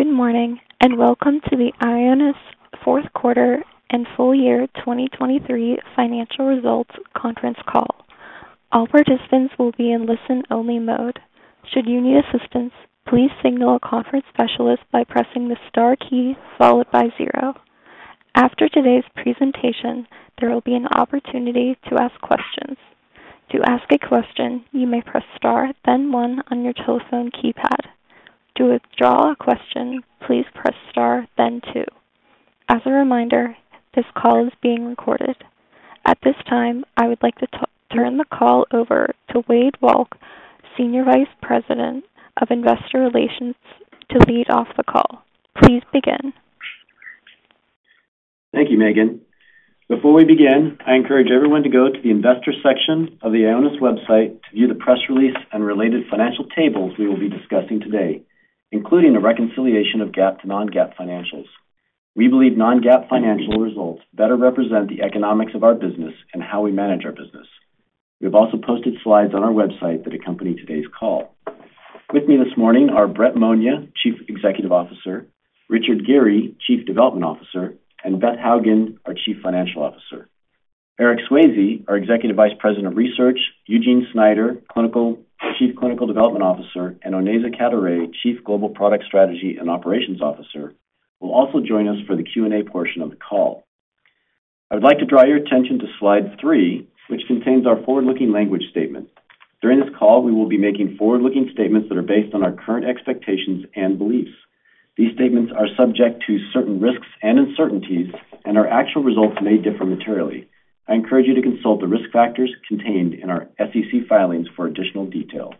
Good morning and welcome to the Ionis Fourth Quarter and Full Year 2023 Financial Results Conference Call. All participants will be in listen-only mode. Should you need assistance, please signal a conference specialist by pressing the star key followed by zero. After today's presentation, there will be an opportunity to ask questions. To ask a question, you may press star then one on your telephone keypad. To withdraw a question, please press star then two. As a reminder, this call is being recorded. At this time, I would like to turn the call over to Wade Walke, Senior Vice President of Investor Relations, to lead off the call. Please begin. Thank you, Megan. Before we begin, I encourage everyone to go to the investor section of the Ionis website to view the press release and related financial tables we will be discussing today, including the reconciliation of GAAP to non-GAAP financials. We believe non-GAAP financial results better represent the economics of our business and how we manage our business. We have also posted slides on our website that accompany today's call. With me this morning are Brett Monia, Chief Executive Officer, Richard Geary, Chief Development Officer, and Beth Hougen, our Chief Financial Officer. Eric Swayze, our Executive Vice President of Research, Eugene Schneider, Chief Clinical Development Officer, and Onaiza Cadoret, Chief Global Product Strategy and Operations Officer, will also join us for the Q&A portion of the call. I would like to draw your attention to Slide three, which contains our forward-looking language statement. During this call, we will be making forward-looking statements that are based on our current expectations and beliefs. These statements are subject to certain risks and uncertainties and our actual results may differ materially. I encourage you to consult the risk factors contained in our SEC filings for additional detail.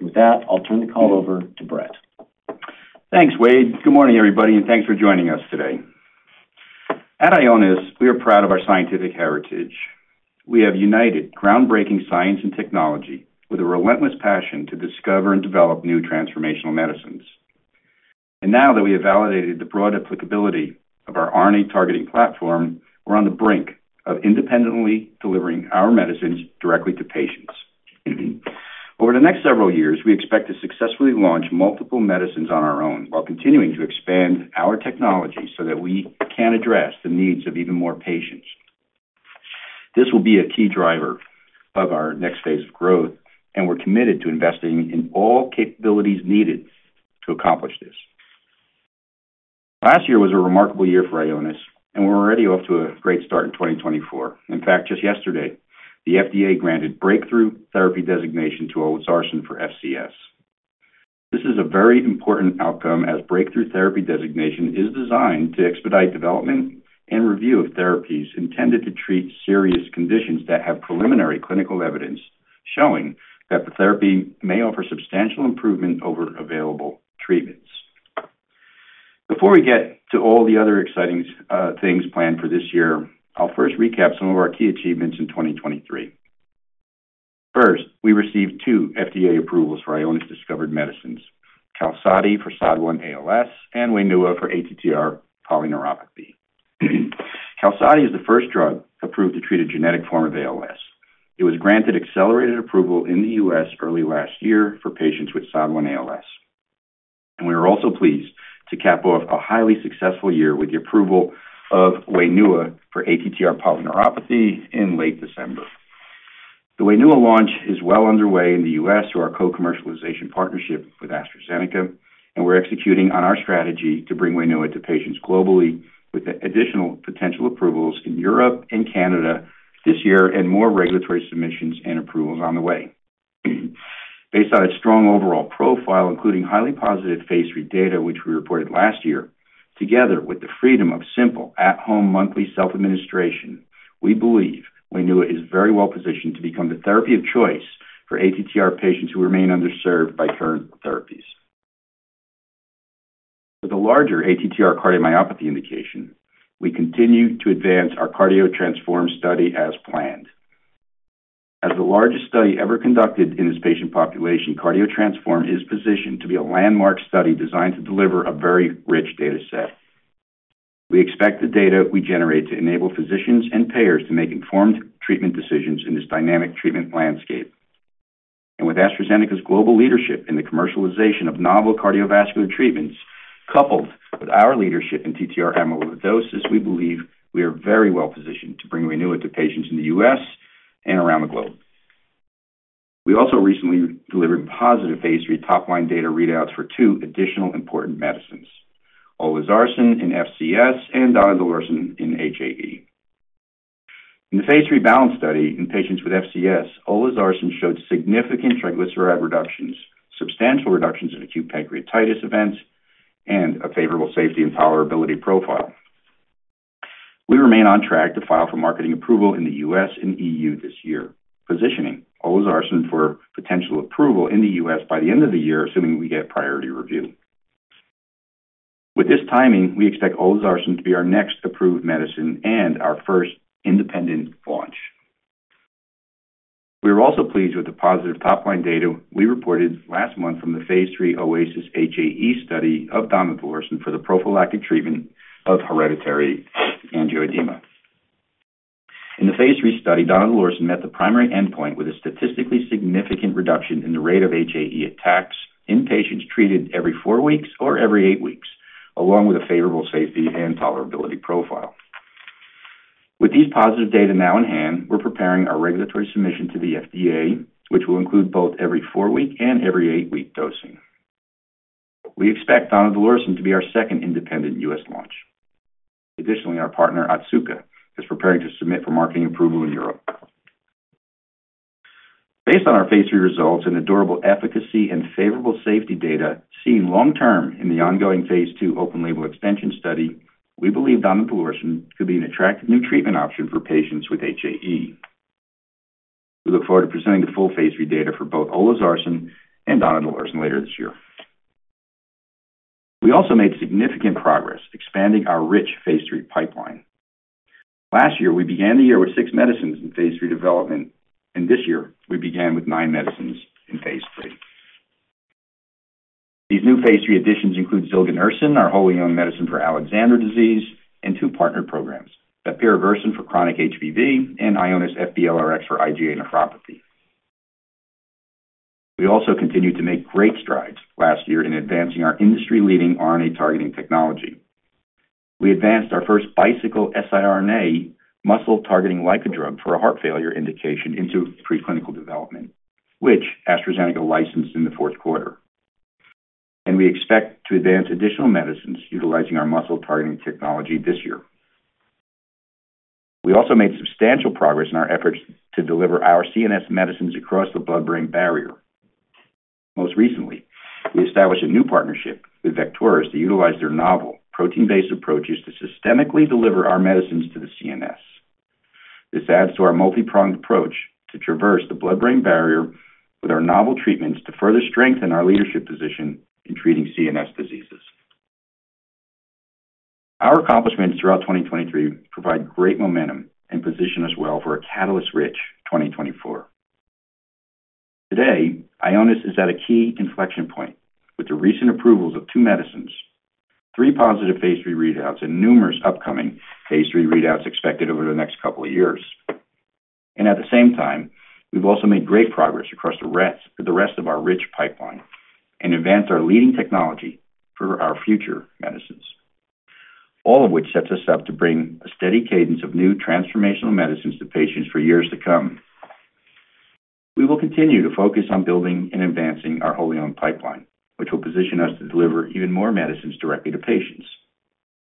With that, I'll turn the call over to Brett. Thanks, Wade. Good morning, everybody, and thanks for joining us today. At Ionis, we are proud of our scientific heritage. We have united groundbreaking science and technology with a relentless passion to discover and develop new transformational medicines. Now that we have validated the broad applicability of our RNA targeting platform, we're on the brink of independently delivering our medicines directly to patients. Over the next several years, we expect to successfully launch multiple medicines on our own while continuing to expand our technology so that we can address the needs of even more patients. This will be a key driver of our next phase of growth, and we're committed to investing in all capabilities needed to accomplish this. Last year was a remarkable year for Ionis, and we're already off to a great start in 2024. In fact, just yesterday, the FDA granted breakthrough therapy designation to olezarsen for FCS. This is a very important outcome as breakthrough therapy designation is designed to expedite development and review of therapies intended to treat serious conditions that have preliminary clinical evidence showing that the therapy may offer substantial improvement over available treatments. Before we get to all the other exciting things planned for this year, I'll first recap some of our key achievements in 2023. First, we received two FDA approvals for Ionis-discovered medicines: QALSODY for SOD1-ALS and WAINUA for ATTR polyneuropathy. QALSODY is the first drug approved to treat a genetic form of ALS. It was granted accelerated approval in the U.S. early last year for patients with SOD1-ALS. We are also pleased to cap off a highly successful year with the approval of WAINUA for ATTR polyneuropathy in late December. The WAINUA launch is well underway in the U.S. through our co-commercialization partnership with AstraZeneca, and we're executing on our strategy to bring WAINUA to patients globally with additional potential approvals in Europe and Canada this year and more regulatory submissions and approvals on the way. Based on a strong overall profile, including highly positive phase III data, which we reported last year, together with the freedom of simple at-home monthly self-administration, we believe WAINUA is very well positioned to become the therapy of choice for ATTR patients who remain underserved by current therapies. For the larger ATTR cardiomyopathy indication, we continue to advance our CARDIO-TTRansform study as planned. As the largest study ever conducted in this patient population, CARDIO-TTRansform is positioned to be a landmark study designed to deliver a very rich data set. We expect the data we generate to enable physicians and payers to make informed treatment decisions in this dynamic treatment landscape. And with AstraZeneca's global leadership in the commercialization of novel cardiovascular treatments coupled with our leadership in TTR amyloidosis, we believe we are very well positioned to bring WAINUA to patients in the U.S. and around the globe. We also recently delivered positive phase III top-line data readouts for two additional important medicines: olezarsen in FCS and donidalorsen in HAE. In the phase III BALANCE study in patients with FCS, olezarsen showed significant triglyceride reductions, substantial reductions in acute pancreatitis events, and a favorable safety and tolerability profile. We remain on track to file for marketing approval in the U.S. and EU this year, positioning olezarsen for potential approval in the U.S. by the end of the year, assuming we get priority review. With this timing, we expect olezarsen to be our next approved medicine and our first independent launch. We are also pleased with the positive top-line data we reported last month from the phase III OASIS-HAE study of donidalorsen for the prophylactic treatment of hereditary angioedema. In the phase III study, donidalorsen met the primary endpoint with a statistically significant reduction in the rate of HAE attacks in patients treated every four weeks or every eight weeks, along with a favorable safety and tolerability profile. With these positive data now in hand, we're preparing our regulatory submission to the FDA, which will include both every four-week and every eight-week dosing. We expect donidalorsen to be our second independent U.S. launch. Additionally, our partner Otsuka is preparing to submit for marketing approval in Europe. Based on our phase III results and robust efficacy and favorable safety data seen long-term in the ongoing phase II open-label extension study, we believe donidalorsen could be an attractive new treatment option for patients with HAE. We look forward to presenting the full phase III data for both olezarsen and donidalorsen later this year. We also made significant progress expanding our robust phase III pipeline. Last year, we began the year with six medicines in phase III development, and this year, we began with nine medicines in phase III. These new phase III additions include zilganersen, our wholly-owned medicine for Alexander disease, and two partner programs: bepirovirsen for chronic HBV and IONIS-FB-LRx for IgA nephropathy. We also continued to make great strides last year in advancing our industry-leading RNA targeting technology. We advanced our first bicyclic siRNA muscle-targeting LICA drug for a heart failure indication into preclinical development, which AstraZeneca licensed in the fourth quarter. We expect to advance additional medicines utilizing our muscle-targeting technology this year. We also made substantial progress in our efforts to deliver our CNS medicines across the blood-brain barrier. Most recently, we established a new partnership with Vect-Horus to utilize their novel protein-based approaches to systemically deliver our medicines to the CNS. This adds to our multi-pronged approach to traverse the blood-brain barrier with our novel treatments to further strengthen our leadership position in treating CNS diseases. Our accomplishments throughout 2023 provide great momentum and position us well for a catalyst-rich 2024. Today, Ionis is at a key inflection point with the recent approvals of two medicines, three positive phase III readouts, and numerous upcoming phase III readouts expected over the next couple of years. And at the same time, we've also made great progress across the rest of our rich pipeline and advanced our leading technology for our future medicines, all of which sets us up to bring a steady cadence of new transformational medicines to patients for years to come. We will continue to focus on building and advancing our wholly-owned pipeline, which will position us to deliver even more medicines directly to patients.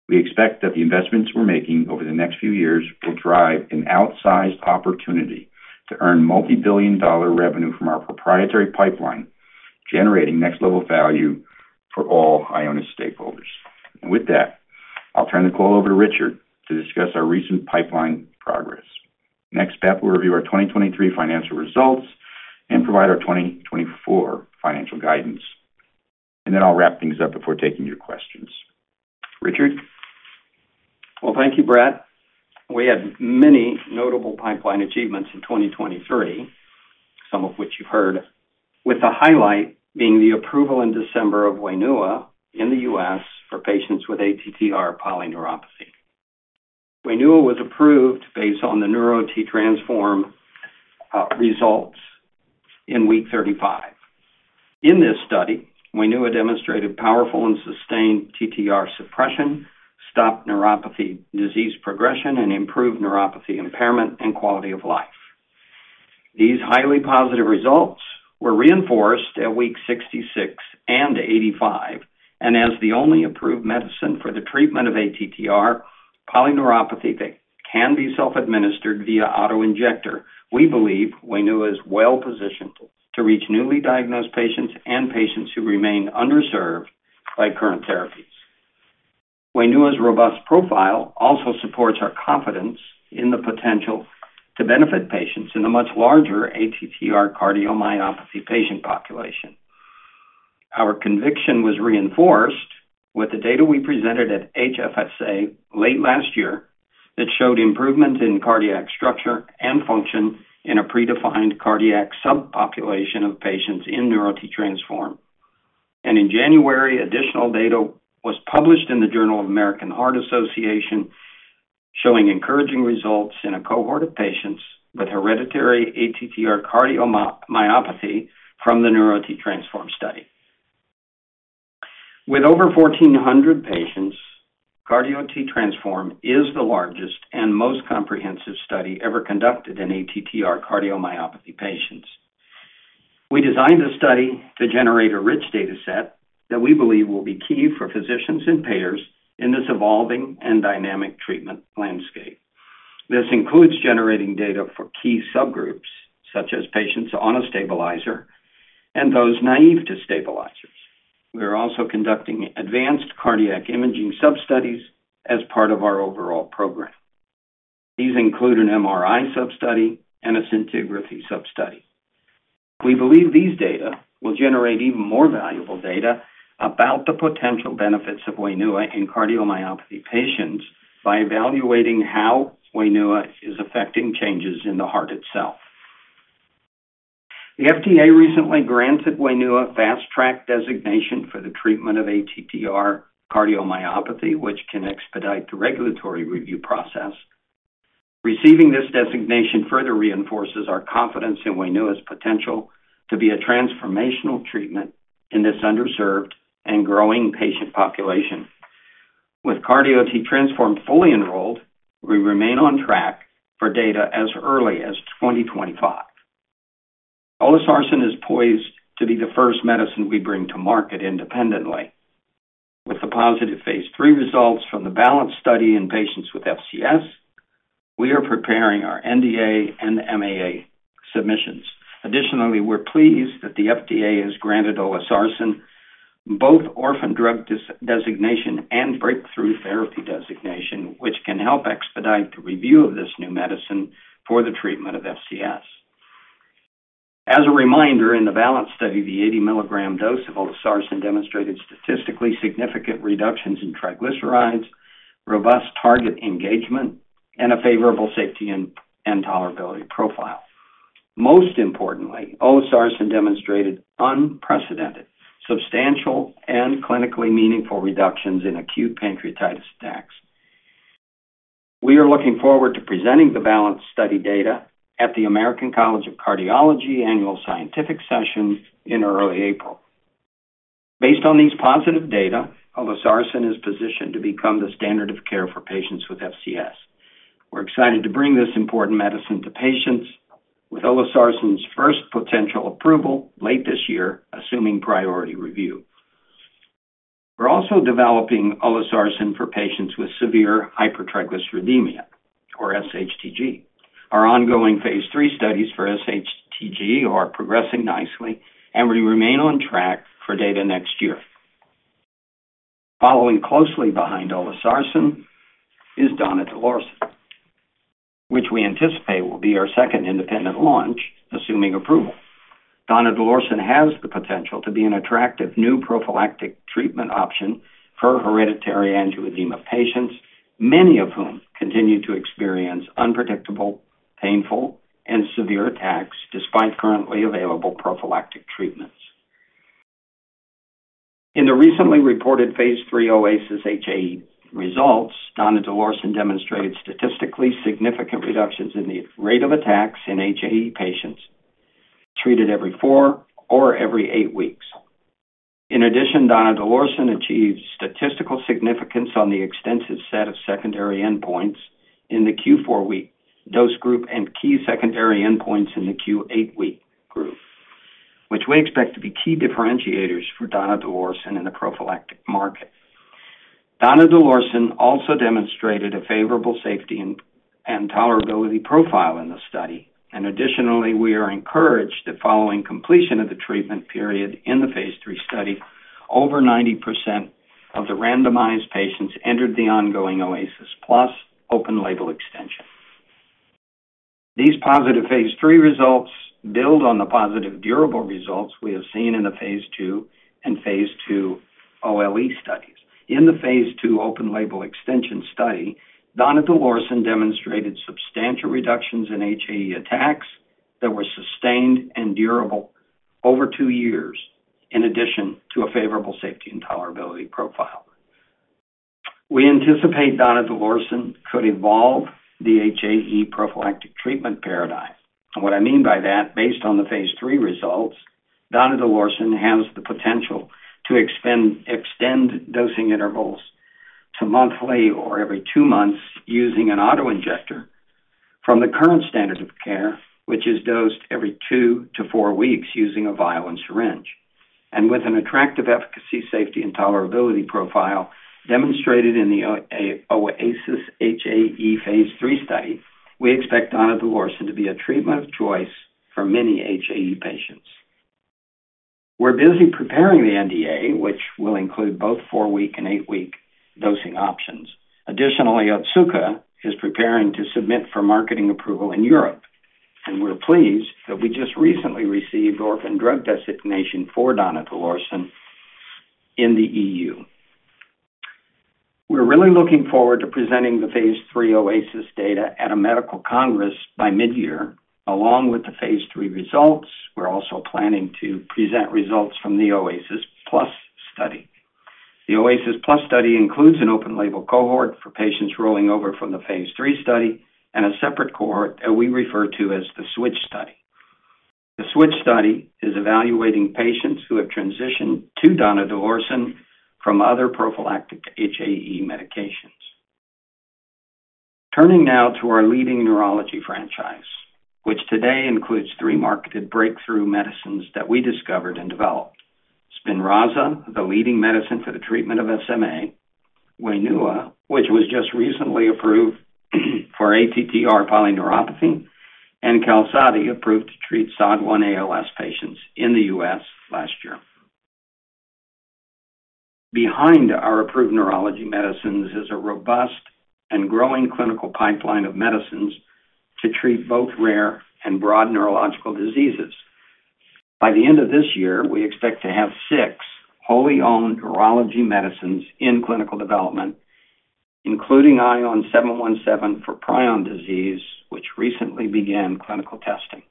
We expect that the investments we're making over the next few years will drive an outsized opportunity to earn multi-billion-dollar revenue from our proprietary pipeline, generating next-level value for all Ionis stakeholders. And with that, I'll turn the call over to Richard to discuss our recent pipeline progress. Next, Beth will review our 2023 financial results and provide our 2024 financial guidance. And then I'll wrap things up before taking your questions. Richard? Well, thank you, Brett. We had many notable pipeline achievements in 2023, some of which you've heard, with the highlight being the approval in December of WAINUA in the U.S. for patients with ATTR polyneuropathy. WAINUA was approved based on the NEURO-TTRansform results in week 35. In this study, WAINUA demonstrated powerful and sustained TTR suppression, stopped neuropathy disease progression, and improved neuropathy impairment and quality of life. These highly positive results were reinforced at week 66 and 85. And as the only approved medicine for the treatment of ATTR polyneuropathy that can be self-administered via autoinjector, we believe WAINUA is well positioned to reach newly diagnosed patients and patients who remain underserved by current therapies. WAINUA's robust profile also supports our confidence in the potential to benefit patients in the much larger ATTR cardiomyopathy patient population. Our conviction was reinforced with the data we presented at HFSA late last year that showed improvement in cardiac structure and function in a predefined cardiac subpopulation of patients in NEURO-TTRansform. In January, additional data was published in the Journal of the American Heart Association showing encouraging results in a cohort of patients with hereditary ATTR cardiomyopathy from the NEURO-TTRansform study. With over 1,400 patients, CARDIO-TTRansform is the largest and most comprehensive study ever conducted in ATTR cardiomyopathy patients. We designed the study to generate a rich data set that we believe will be key for physicians and payers in this evolving and dynamic treatment landscape. This includes generating data for key subgroups such as patients on a stabilizer and those naive to stabilizers. We are also conducting advanced cardiac imaging substudies as part of our overall program. These include an MRI substudy and a scintigraphy substudy. We believe these data will generate even more valuable data about the potential benefits of WAINUA in cardiomyopathy patients by evaluating how WAINUA is affecting changes in the heart itself. The FDA recently granted WAINUA fast-track designation for the treatment of ATTR cardiomyopathy, which can expedite the regulatory review process. Receiving this designation further reinforces our confidence in WAINUA's potential to be a transformational treatment in this underserved and growing patient population. With CARDIO-TTRansform fully enrolled, we remain on track for data as early as 2025. Olezarsen is poised to be the first medicine we bring to market independently. With the positive phase III results from the BALANCE study in patients with FCS, we are preparing our NDA and MAA submissions. Additionally, we're pleased that the FDA has granted olezarsen both orphan drug designation and breakthrough therapy designation, which can help expedite the review of this new medicine for the treatment of FCS. As a reminder, in the BALANCE study, the 80 mg dose of olezarsen demonstrated statistically significant reductions in triglycerides, robust target engagement, and a favorable safety and tolerability profile. Most importantly, olezarsen demonstrated unprecedented, substantial, and clinically meaningful reductions in acute pancreatitis attacks. We are looking forward to presenting the BALANCE study data at the American College of Cardiology annual scientific session in early April. Based on these positive data, olezarsen is positioned to become the standard of care for patients with FCS. We're excited to bring this important medicine to patients with olezarsen's first potential approval late this year, assuming priority review. We're also developing olezarsen for patients with severe hypertriglyceridemia or SHTG. Our ongoing phase III studies for SHTG are progressing nicely, and we remain on track for data next year. Following closely behind olezarsen is donidalorsen, which we anticipate will be our second independent launch, assuming approval. Donidalorsen has the potential to be an attractive new prophylactic treatment option for hereditary angioedema patients, many of whom continue to experience unpredictable, painful, and severe attacks despite currently available prophylactic treatments. In the recently reported phase III OASIS-HAE results, donidalorsen demonstrated statistically significant reductions in the rate of attacks in HAE patients treated every four or every eight weeks. In addition, donidalorsen achieved statistical significance on the extensive set of secondary endpoints in the Q4 week dose group and key secondary endpoints in the Q8 week group, which we expect to be key differentiators for donidalorsen in the prophylactic market. donidalorsen also demonstrated a favorable safety and tolerability profile in the study. Additionally, we are encouraged that following completion of the treatment period in the phase III study, over 90% of the randomized patients entered the ongoing OASISplus open-label extension. These positive phase III results build on the positive durable results we have seen in the phase II and phase II OLE studies. In the phase II open-label extension study, donidalorsen demonstrated substantial reductions in HAE attacks that were sustained and durable over two years, in addition to a favorable safety and tolerability profile. We anticipate donidalorsen could evolve the HAE prophylactic treatment paradigm. What I mean by that, based on the phase III results, donidalorsen has the potential to extend dosing intervals to monthly or every two months using an autoinjector from the current standard of care, which is dosed every two to four weeks using a vial and syringe. With an attractive efficacy, safety, and tolerability profile demonstrated in the OASIS-HAE phase III study, we expect donidalorsen to be a treatment of choice for many HAE patients. We're busy preparing the NDA, which will include both four-week and eight-week dosing options. Additionally, Otsuka is preparing to submit for marketing approval in Europe. We're pleased that we just recently received orphan drug designation for donidalorsen in the EU. We're really looking forward to presenting the phase III OASIS data at a medical congress by midyear. Along with the phase III results, we're also planning to present results from the OASISplus study. The OASISplus study includes an open label cohort for patients rolling over from the phase III study and a separate cohort that we refer to as the switch study. The switch study is evaluating patients who have transitioned to donidalorsen from other prophylactic HAE medications. Turning now to our leading neurology franchise, which today includes three marketed breakthrough medicines that we discovered and developed: SPINRAZA, the leading medicine for the treatment of SMA; WAINUA, which was just recently approved for ATTR polyneuropathy; and QALSODY, approved to treat SOD1 ALS patients in the U.S. last year. Behind our approved neurology medicines is a robust and growing clinical pipeline of medicines to treat both rare and broad neurological diseases. By the end of this year, we expect to have six wholly-owned neurology medicines in clinical development, including ION 717 for prion disease, which recently began clinical testing.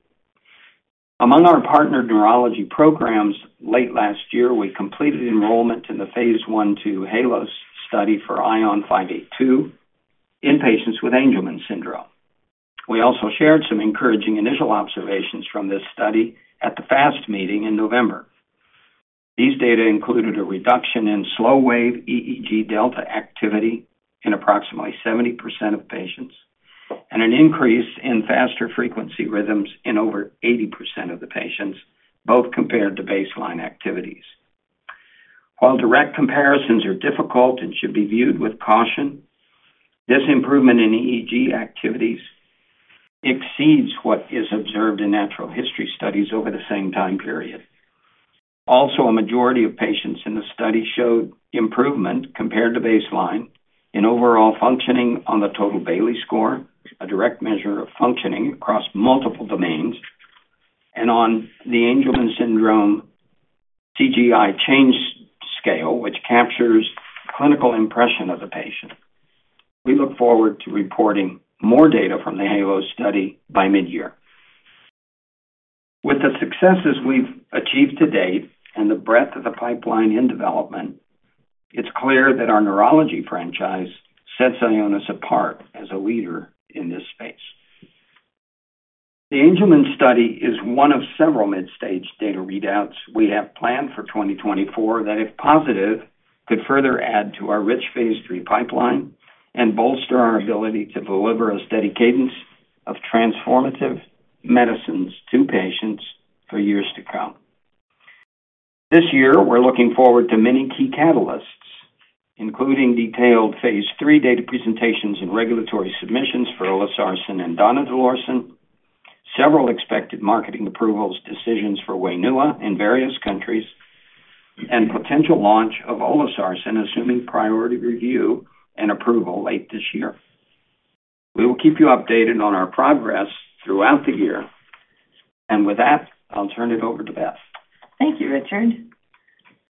Among our partnered neurology programs, late last year, we completed enrollment in the phase I/II HALOS study for ION 582 in patients with Angelman syndrome. We also shared some encouraging initial observations from this study at the FAST meeting in November. These data included a reduction in slow-wave EEG delta activity in approximately 70% of patients and an increase in faster frequency rhythms in over 80% of the patients, both compared to baseline activities. While direct comparisons are difficult and should be viewed with caution, this improvement in EEG activities exceeds what is observed in natural history studies over the same time period. Also, a majority of patients in the study showed improvement compared to baseline in overall functioning on the total Bayley score, a direct measure of functioning across multiple domains, and on the Angelman syndrome CGI change scale, which captures clinical impression of the patient. We look forward to reporting more data from the HALOS study by midyear. With the successes we've achieved to date and the breadth of the pipeline in development, it's clear that our neurology franchise sets Ionis apart as a leader in this space. The Angelman study is one of several mid-stage data readouts we have planned for 2024 that, if positive, could further add to our rich phase III pipeline and bolster our ability to deliver a steady cadence of transformative medicines to patients for years to come. This year, we're looking forward to many key catalysts, including detailed phase III data presentations and regulatory submissions for olezarsen and donidalorsen, several expected marketing approvals, decisions for WAINUA in various countries, and potential launch of olezarsen, assuming priority review and approval late this year. We will keep you updated on our progress throughout the year. And with that, I'll turn it over to Beth. Thank you, Richard.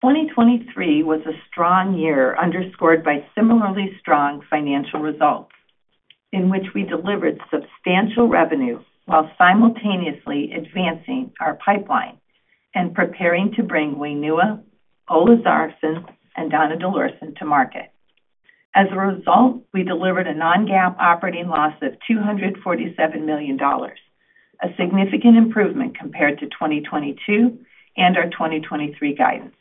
2023 was a strong year underscored by similarly strong financial results in which we delivered substantial revenue while simultaneously advancing our pipeline and preparing to bring WAINUA, olezarsen, and donidalorsen to market. As a result, we delivered a non-GAAP operating loss of $247 million, a significant improvement compared to 2022 and our 2023 guidance.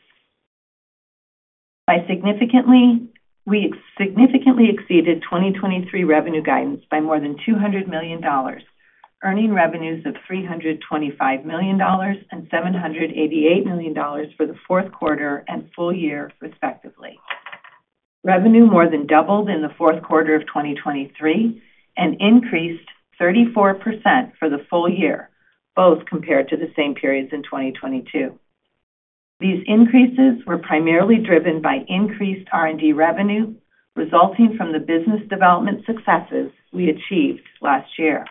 We significantly exceeded 2023 revenue guidance by more than $200 million, earning revenues of $325 million and $788 million for the fourth quarter and full year, respectively. Revenue more than doubled in the fourth quarter of 2023 and increased 34% for the full year, both compared to the same periods in 2022. These increases were primarily driven by increased R&D revenue resulting from the business development successes we achieved last year.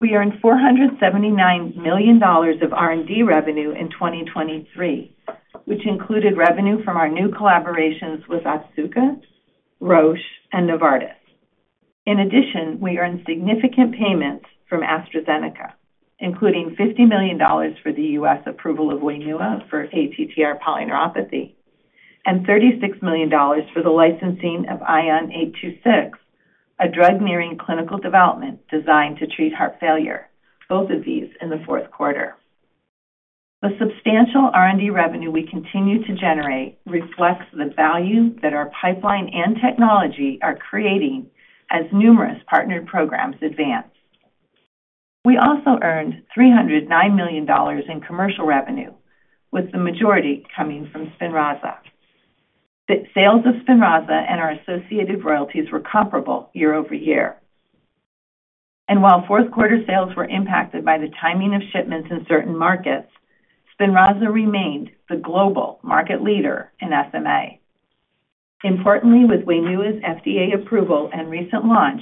We earned $479 million of R&D revenue in 2023, which included revenue from our new collaborations with Otsuka, Roche, and Novartis. In addition, we earned significant payments from AstraZeneca, including $50 million for the U.S. approval of WAINUA for ATTR polyneuropathy and $36 million for the licensing of ION826, a drug nearing clinical development designed to treat heart failure, both of these in the fourth quarter. The substantial R&D revenue we continue to generate reflects the value that our pipeline and technology are creating as numerous partnered programs advance. We also earned $309 million in commercial revenue, with the majority coming from SPINRAZA. Sales of SPINRAZA and our associated royalties were comparable year-over-year. While fourth quarter sales were impacted by the timing of shipments in certain markets, SPINRAZA remained the global market leader in SMA. Importantly, with WAINUA's FDA approval and recent launch,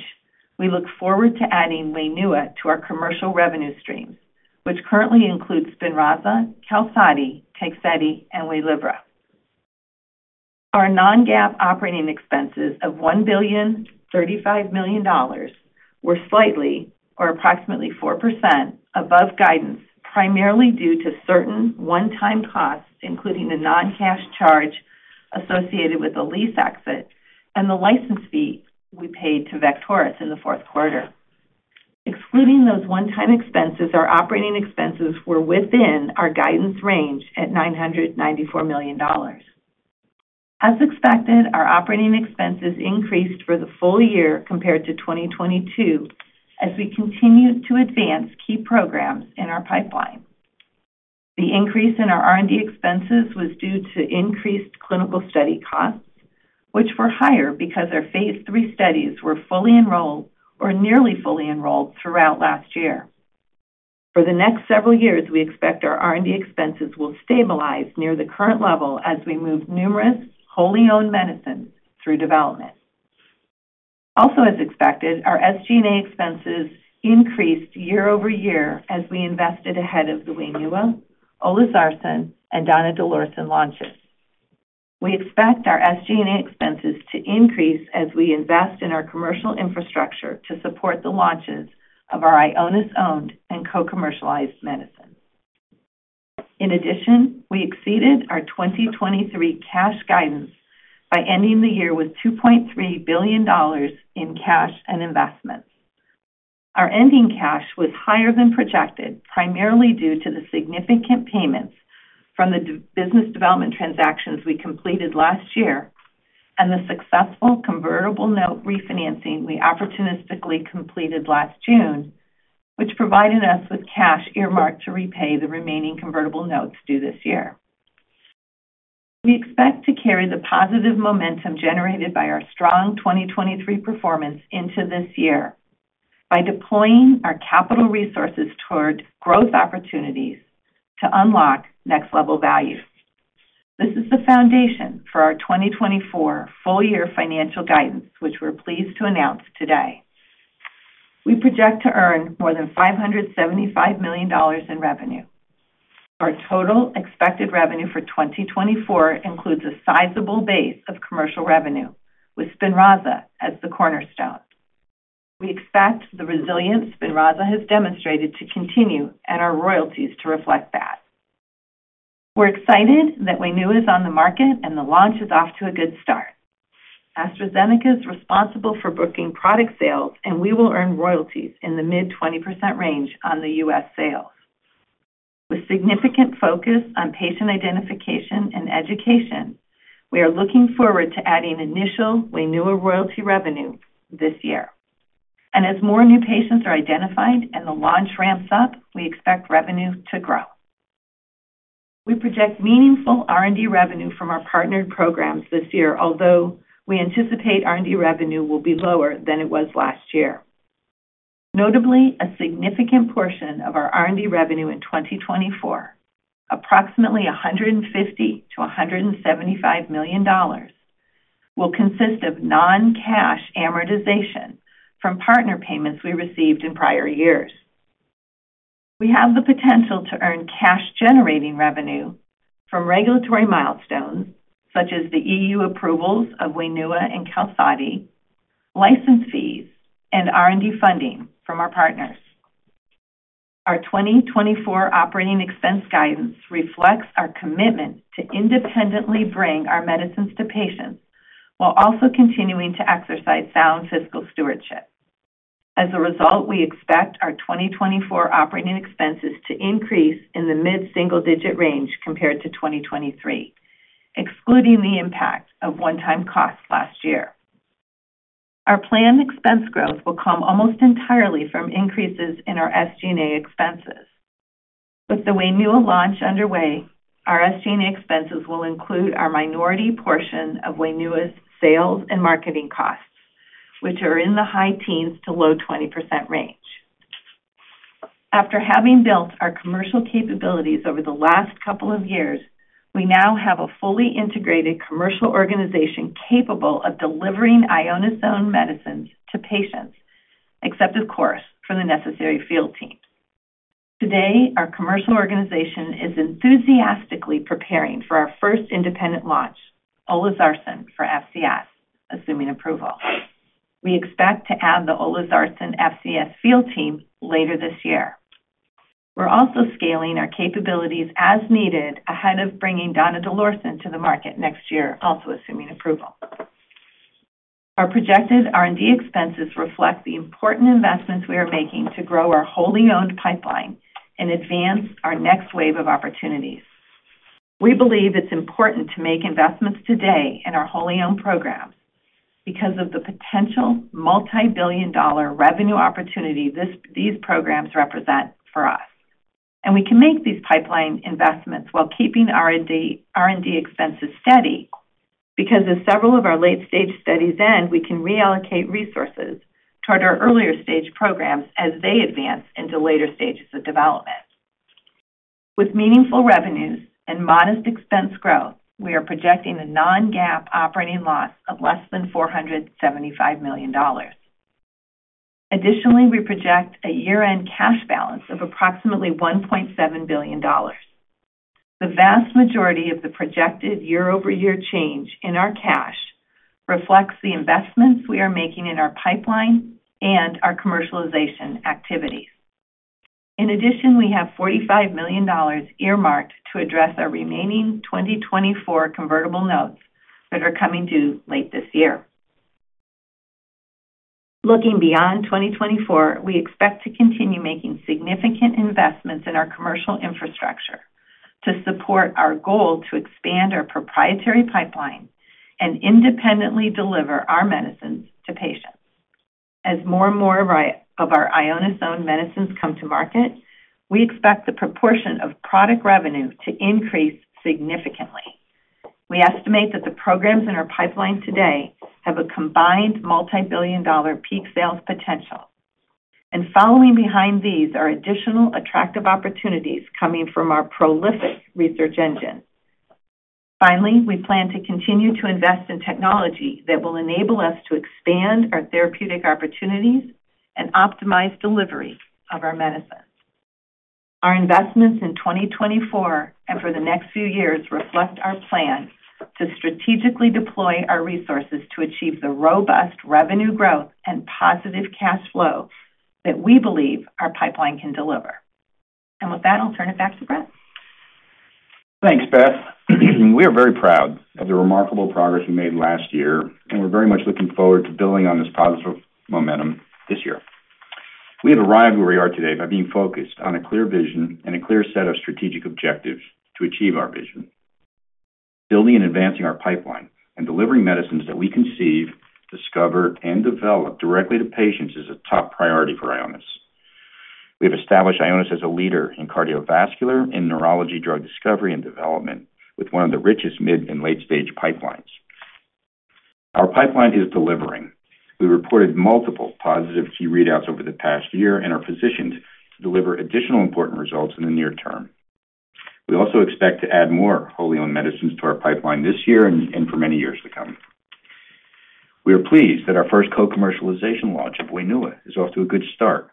we look forward to adding WAINUA to our commercial revenue streams, which currently include SPINRAZA, QALSODY, TEGSEDI, and WAYLIVRA. Our non-GAAP operating expenses of $1.035 billion were slightly or approximately 4% above guidance, primarily due to certain one-time costs, including the non-cash charge associated with the lease exit and the license fee we paid to Vect-Horus in the fourth quarter. Excluding those one-time expenses, our operating expenses were within our guidance range at $994 million. As expected, our operating expenses increased for the full year compared to 2022 as we continued to advance key programs in our pipeline. The increase in our R&D expenses was due to increased clinical study costs, which were higher because our phase III studies were fully enrolled or nearly fully enrolled throughout last year. For the next several years, we expect our R&D expenses will stabilize near the current level as we move numerous wholly-owned medicines through development. Also, as expected, our SG&A expenses increased year-over-year as we invested ahead of the WAINUA, olezarsen, and donidalorsen launches. We expect our SG&A expenses to increase as we invest in our commercial infrastructure to support the launches of our Ionis-owned and co-commercialized medicines. In addition, we exceeded our 2023 cash guidance by ending the year with $2.3 billion in cash and investments. Our ending cash was higher than projected, primarily due to the significant payments from the business development transactions we completed last year and the successful convertible note refinancing we opportunistically completed last June, which provided us with cash earmarked to repay the remaining convertible notes due this year. We expect to carry the positive momentum generated by our strong 2023 performance into this year by deploying our capital resources toward growth opportunities to unlock next-level value. This is the foundation for our 2024 full-year financial guidance, which we're pleased to announce today. We project to earn more than $575 million in revenue. Our total expected revenue for 2024 includes a sizable base of commercial revenue, with SPINRAZA as the cornerstone. We expect the resilience SPINRAZA has demonstrated to continue and our royalties to reflect that. We're excited that WAINUA is on the market and the launch is off to a good start. AstraZeneca is responsible for booking product sales, and we will earn royalties in the mid-20% range on the U.S. sales. With significant focus on patient identification and education, we are looking forward to adding initial WAINUA royalty revenue this year. As more new patients are identified and the launch ramps up, we expect revenue to grow. We project meaningful R&D revenue from our partnered programs this year, although we anticipate R&D revenue will be lower than it was last year. Notably, a significant portion of our R&D revenue in 2024, approximately $150 million-$175 million, will consist of non-cash amortization from partner payments we received in prior years. We have the potential to earn cash-generating revenue from regulatory milestones such as the EU approvals of WAINUA and QALSODY, license fees, and R&D funding from our partners. Our 2024 operating expense guidance reflects our commitment to independently bring our medicines to patients while also continuing to exercise sound fiscal stewardship. As a result, we expect our 2024 operating expenses to increase in the mid-single-digit range compared to 2023, excluding the impact of one-time costs last year. Our planned expense growth will come almost entirely from increases in our SG&A expenses. With the WAINUA launch underway, our SG&A expenses will include our minority portion of WAINUA's sales and marketing costs, which are in the high teens to low 20% range. After having built our commercial capabilities over the last couple of years, we now have a fully integrated commercial organization capable of delivering Ionis-owned medicines to patients, except, of course, for the necessary field teams. Today, our commercial organization is enthusiastically preparing for our first independent launch, olezarsen for FCS, assuming approval. We expect to add the olezarsen FCS field team later this year. We're also scaling our capabilities as needed ahead of bringing donidalorsen to the market next year, also assuming approval. Our projected R&D expenses reflect the important investments we are making to grow our wholly-owned pipeline and advance our next wave of opportunities. We believe it's important to make investments today in our wholly-owned programs because of the potential multi-billion dollar revenue opportunity these programs represent for us. And we can make these pipeline investments while keeping R&D expenses steady because, as several of our late-stage studies end, we can reallocate resources toward our earlier-stage programs as they advance into later stages of development. With meaningful revenues and modest expense growth, we are projecting a non-GAAP operating loss of less than $475 million. Additionally, we project a year-end cash balance of approximately $1.7 billion. The vast majority of the projected year-over-year change in our cash reflects the investments we are making in our pipeline and our commercialization activities. In addition, we have $45 million earmarked to address our remaining 2024 convertible notes that are coming due late this year. Looking beyond 2024, we expect to continue making significant investments in our commercial infrastructure to support our goal to expand our proprietary pipeline and independently deliver our medicines to patients. As more and more of our Ionis-owned medicines come to market, we expect the proportion of product revenue to increase significantly. We estimate that the programs in our pipeline today have a combined multi-billion dollar peak sales potential. Following behind these are additional attractive opportunities coming from our prolific research engine. Finally, we plan to continue to invest in technology that will enable us to expand our therapeutic opportunities and optimize delivery of our medicines. Our investments in 2024 and for the next few years reflect our plan to strategically deploy our resources to achieve the robust revenue growth and positive cash flow that we believe our pipeline can deliver. With that, I'll turn it back to Beth. Thanks, Beth. We are very proud of the remarkable progress we made last year, and we're very much looking forward to building on this positive momentum this year. We have arrived where we are today by being focused on a clear vision and a clear set of strategic objectives to achieve our vision. Building and advancing our pipeline and delivering medicines that we conceive, discover, and develop directly to patients is a top priority for Ionis. We have established Ionis as a leader in cardiovascular and neurology drug discovery and development, with one of the richest mid and late-stage pipelines. Our pipeline is delivering. We reported multiple positive key readouts over the past year and are positioned to deliver additional important results in the near term. We also expect to add more wholly-owned medicines to our pipeline this year and for many years to come. We are pleased that our first co-commercialization launch of WAINUA is off to a good start,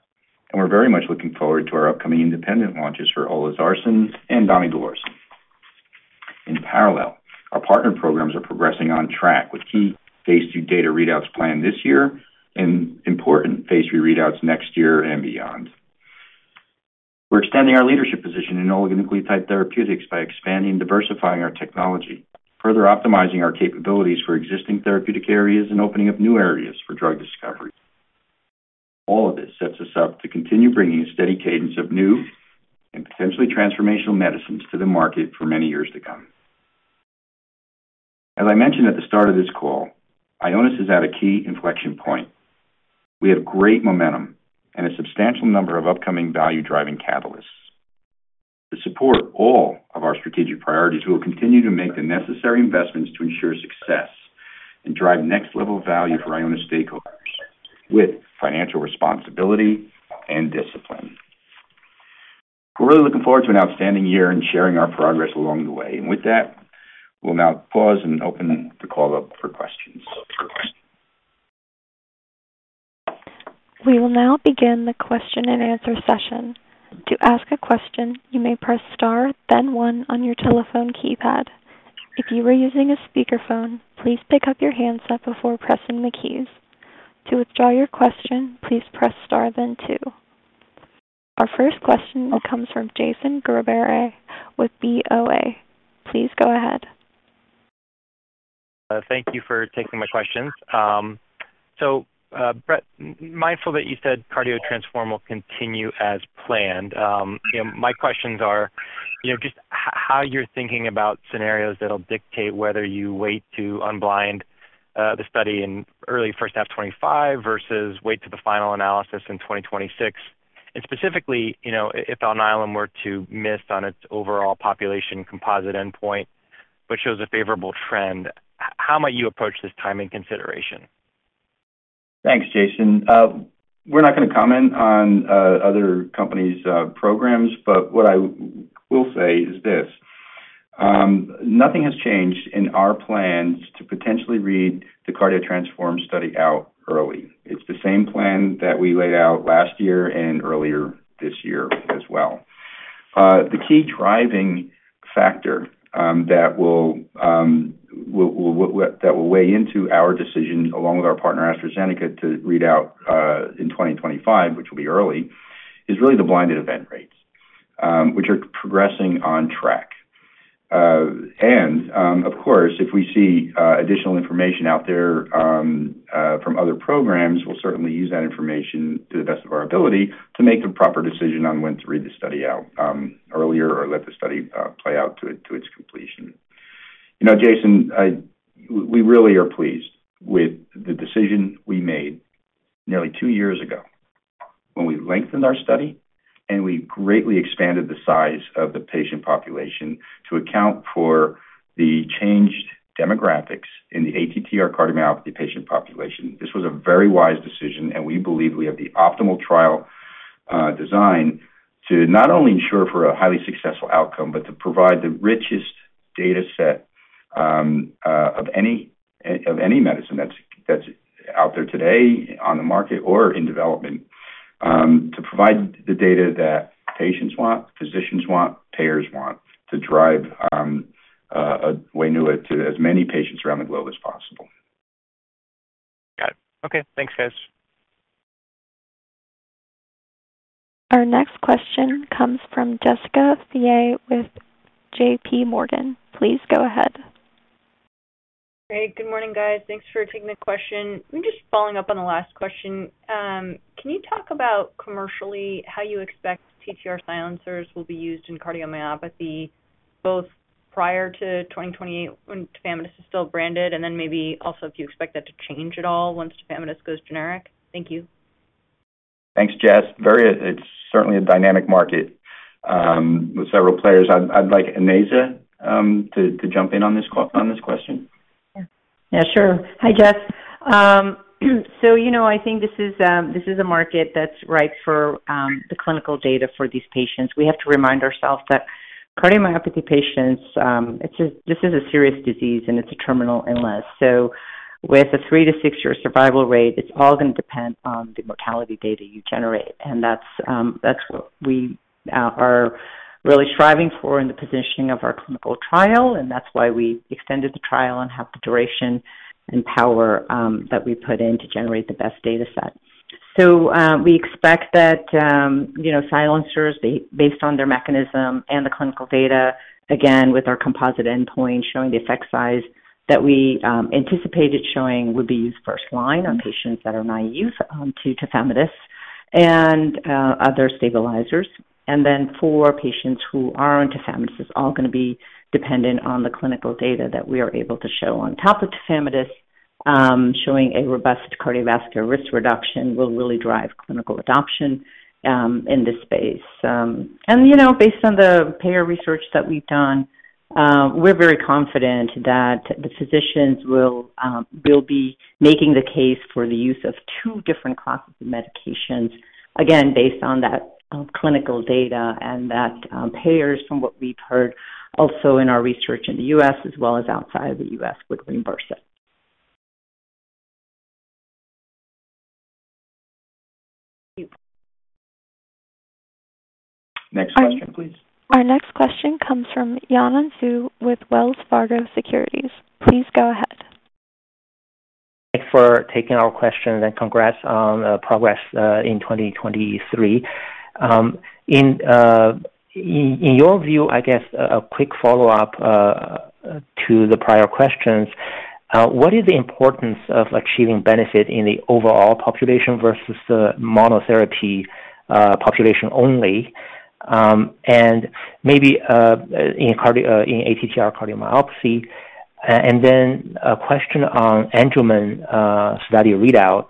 and we're very much looking forward to our upcoming independent launches for olezarsen and donidalorsen. In parallel, our partnered programs are progressing on track with key phase II data readouts planned this year and important phase III readouts next year and beyond. We're extending our leadership position in oligonucleotide therapeutics by expanding and diversifying our technology, further optimizing our capabilities for existing therapeutic areas and opening up new areas for drug discovery. All of this sets us up to continue bringing a steady cadence of new and potentially transformational medicines to the market for many years to come. As I mentioned at the start of this call, Ionis is at a key inflection point. We have great momentum and a substantial number of upcoming value-driving catalysts. To support all of our strategic priorities, we will continue to make the necessary investments to ensure success and drive next-level value for Ionis stakeholders with financial responsibility and discipline. We're really looking forward to an outstanding year and sharing our progress along the way. With that, we'll now pause and open the call up for questions. We will now begin the question-and-answer session. To ask a question, you may press star, then one on your telephone keypad. If you are using a speakerphone, please pick up your handset before pressing the keys. To withdraw your question, please press star, then two. Our first question comes from Jason Gursky with BofA. Please go ahead. Thank you for taking my questions. So, Brett, mindful that you said CARDIO-TTRansform will continue as planned. My questions are just how you're thinking about scenarios that'll dictate whether you wait to unblind the study in early first half 2025 versus wait to the final analysis in 2026. Specifically, if Alnylam were to miss on its overall population composite endpoint but shows a favorable trend, how might you approach the timing in consideration? Thanks, Jason. We're not going to comment on other companies' programs, but what I will say is this. Nothing has changed in our plans to potentially read the CARDIO-TTRansform study out early. It's the same plan that we laid out last year and earlier this year as well. The key driving factor that will weigh into our decision along with our partner AstraZeneca to read out in 2025, which will be early, is really the blinded event rates, which are progressing on track. Of course, if we see additional information out there from other programs, we'll certainly use that information to the best of our ability to make the proper decision on when to read the study out earlier or let the study play out to its completion. Jason, we really are pleased with the decision we made nearly two years ago when we lengthened our study and we greatly expanded the size of the patient population to account for the changed demographics in the ATTR cardiomyopathy patient population. This was a very wise decision, and we believe we have the optimal trial design to not only ensure for a highly successful outcome but to provide the richest data set of any medicine that's out there today on the market or in development, to provide the data that patients want, physicians want, payers want to drive WAINUA to as many patients around the globe as possible. Got it. Okay. Thanks, guys. Our next question comes from Jessica Fye with JPMorgan. Please go ahead. Hey. Good morning, guys. Thanks for taking the question. I'm just following up on the last question. Can you talk about commercially how you expect TTR silencers will be used in cardiomyopathy, both prior to 2028 when tafamidis is still branded and then maybe also if you expect that to change at all once tafamidis goes generic? Thank you. Thanks, Jess. It's certainly a dynamic market with several players. I'd like Onaiza to jump in on this question. Yeah. Yeah. Sure. Hi, Jess. So I think this is a market that's ripe for the clinical data for these patients. We have to remind ourselves that cardiomyopathy patients, this is a serious disease, and it's a terminal illness. So with a three to six-year survival rate, it's all going to depend on the mortality data you generate. And that's what we are really striving for in the positioning of our clinical trial, and that's why we extended the trial and have the duration and power that we put in to generate the best data set. So we expect that silencers, based on their mechanism and the clinical data, again, with our composite endpoint showing the effect size that we anticipated showing, would be used first-line on patients that are naive to tafamidis and other stabilizers. And then for patients who are on tafamidis, it's all going to be dependent on the clinical data that we are able to show on top of tafamidis. Showing a robust cardiovascular risk reduction will really drive clinical adoption in this space. And based on the payer research that we've done, we're very confident that the physicians will be making the case for the use of two different classes of medications, again, based on that clinical data and that payers, from what we've heard also in our research in the U.S. as well as outside of the U.S., would reimburse it. Next question, please. Our next question comes from Yanan Zhu with Wells Fargo Securities. Please go ahead. Thanks for taking our questions, and congrats on the progress in 2023. In your view, I guess a quick follow-up to the prior questions, what is the importance of achieving benefit in the overall population versus the monotherapy population only and maybe in ATTR cardiomyopathy? And then a question on Angelman study readout.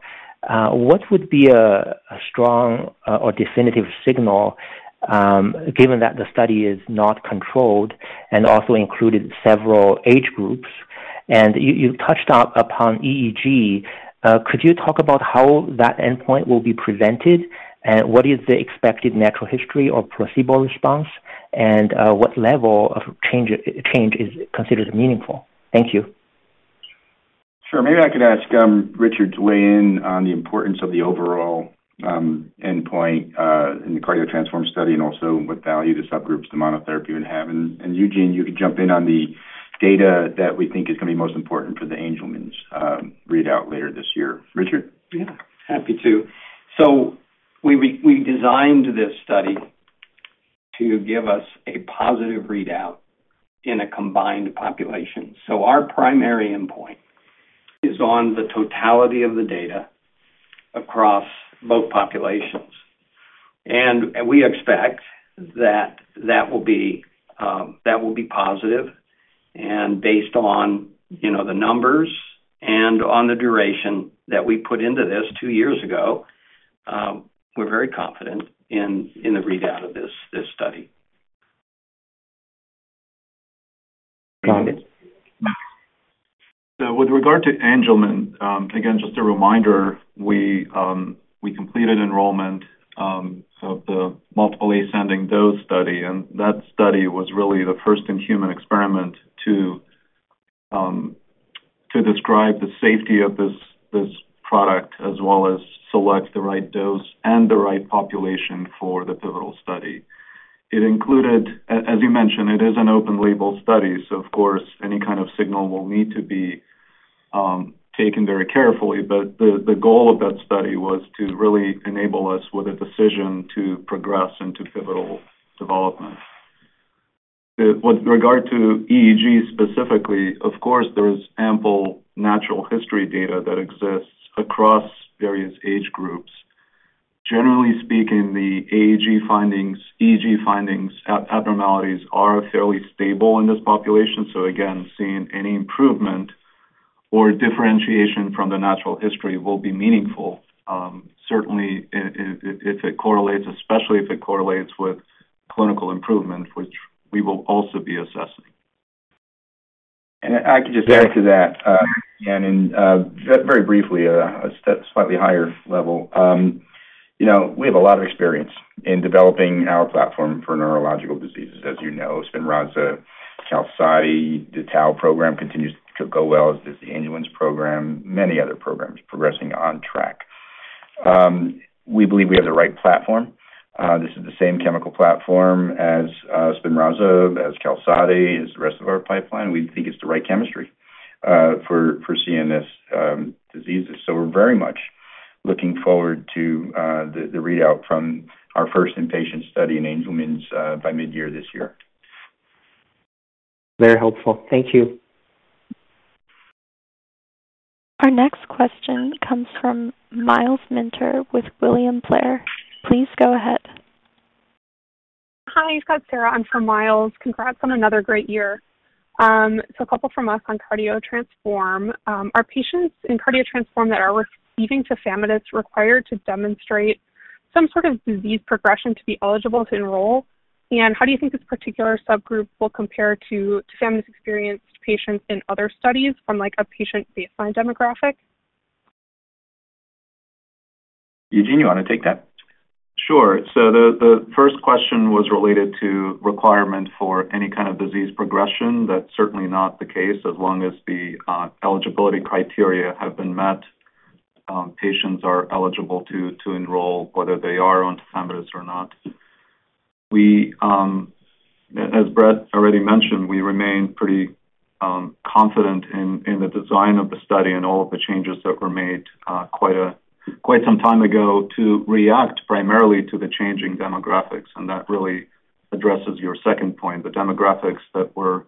What would be a strong or definitive signal given that the study is not controlled and also included several age groups? And you touched upon EEG. Could you talk about how that endpoint will be presented, and what is the expected natural history or placebo response, and what level of change is considered meaningful? Thank you. Sure. Maybe I could ask Richard to weigh in on the importance of the overall endpoint in the CARDIO-TTRansform study and also what value the subgroups to monotherapy would have. And Eugene, you could jump in on the data that we think is going to be most important for the Angelman's readout later this year. Richard? Yeah. Happy to. So we designed this study to give us a positive readout in a combined population. So our primary endpoint is on the totality of the data across both populations. And we expect that that will be positive. And based on the numbers and on the duration that we put into this two years ago, we're very confident in the readout of this study. So with regard to Angelman, again, just a reminder, we completed enrollment of the multiple ascending dose study. That study was really the first-in-human experiment to describe the safety of this product as well as select the right dose and the right population for the pivotal study. As you mentioned, it is an open-label study, so of course, any kind of signal will need to be taken very carefully. The goal of that study was to really enable us with a decision to progress into pivotal development. With regard to EEG specifically, of course, there is ample natural history data that exists across various age groups. Generally speaking, the EEG findings abnormalities are fairly stable in this population. So again, seeing any improvement or differentiation from the natural history will be meaningful, certainly if it correlates, especially if it correlates with clinical improvement, which we will also be assessing. I could just add to that, again, and very briefly, a slightly higher level. We have a lot of experience in developing our platform for neurological diseases, as you know. SPINRAZA, QALSODY, the ALS program continues to go well. There's the Angelman's program, many other programs progressing on track. We believe we have the right platform. This is the same chemical platform as SPINRAZA, as QALSODY, as the rest of our pipeline. We think it's the right chemistry for CNS diseases. So we're very much looking forward to the readout from our first inpatient study in Angelman's by midyear this year. Very helpful. Thank you. Our next question comes from Myles Minter with William Blair. Please go ahead. Hi. It's Sarah. I'm from Myles. Congrats on another great year. So a couple from us on CARDIO-TTRansform. Are patients in CARDIO-TTRansform that are receiving tafamidis required to demonstrate some sort of disease progression to be eligible to enroll? How do you think this particular subgroup will compare to tafamidis-experienced patients in other studies from a patient baseline demographic? Eugene, you want to take that? Sure. So the first question was related to requirement for any kind of disease progression. That's certainly not the case. As long as the eligibility criteria have been met, patients are eligible to enroll, whether they are on tafamidis or not. As Brett already mentioned, we remain pretty confident in the design of the study and all of the changes that were made quite some time ago to react primarily to the changing demographics. And that really addresses your second point. The demographics that we're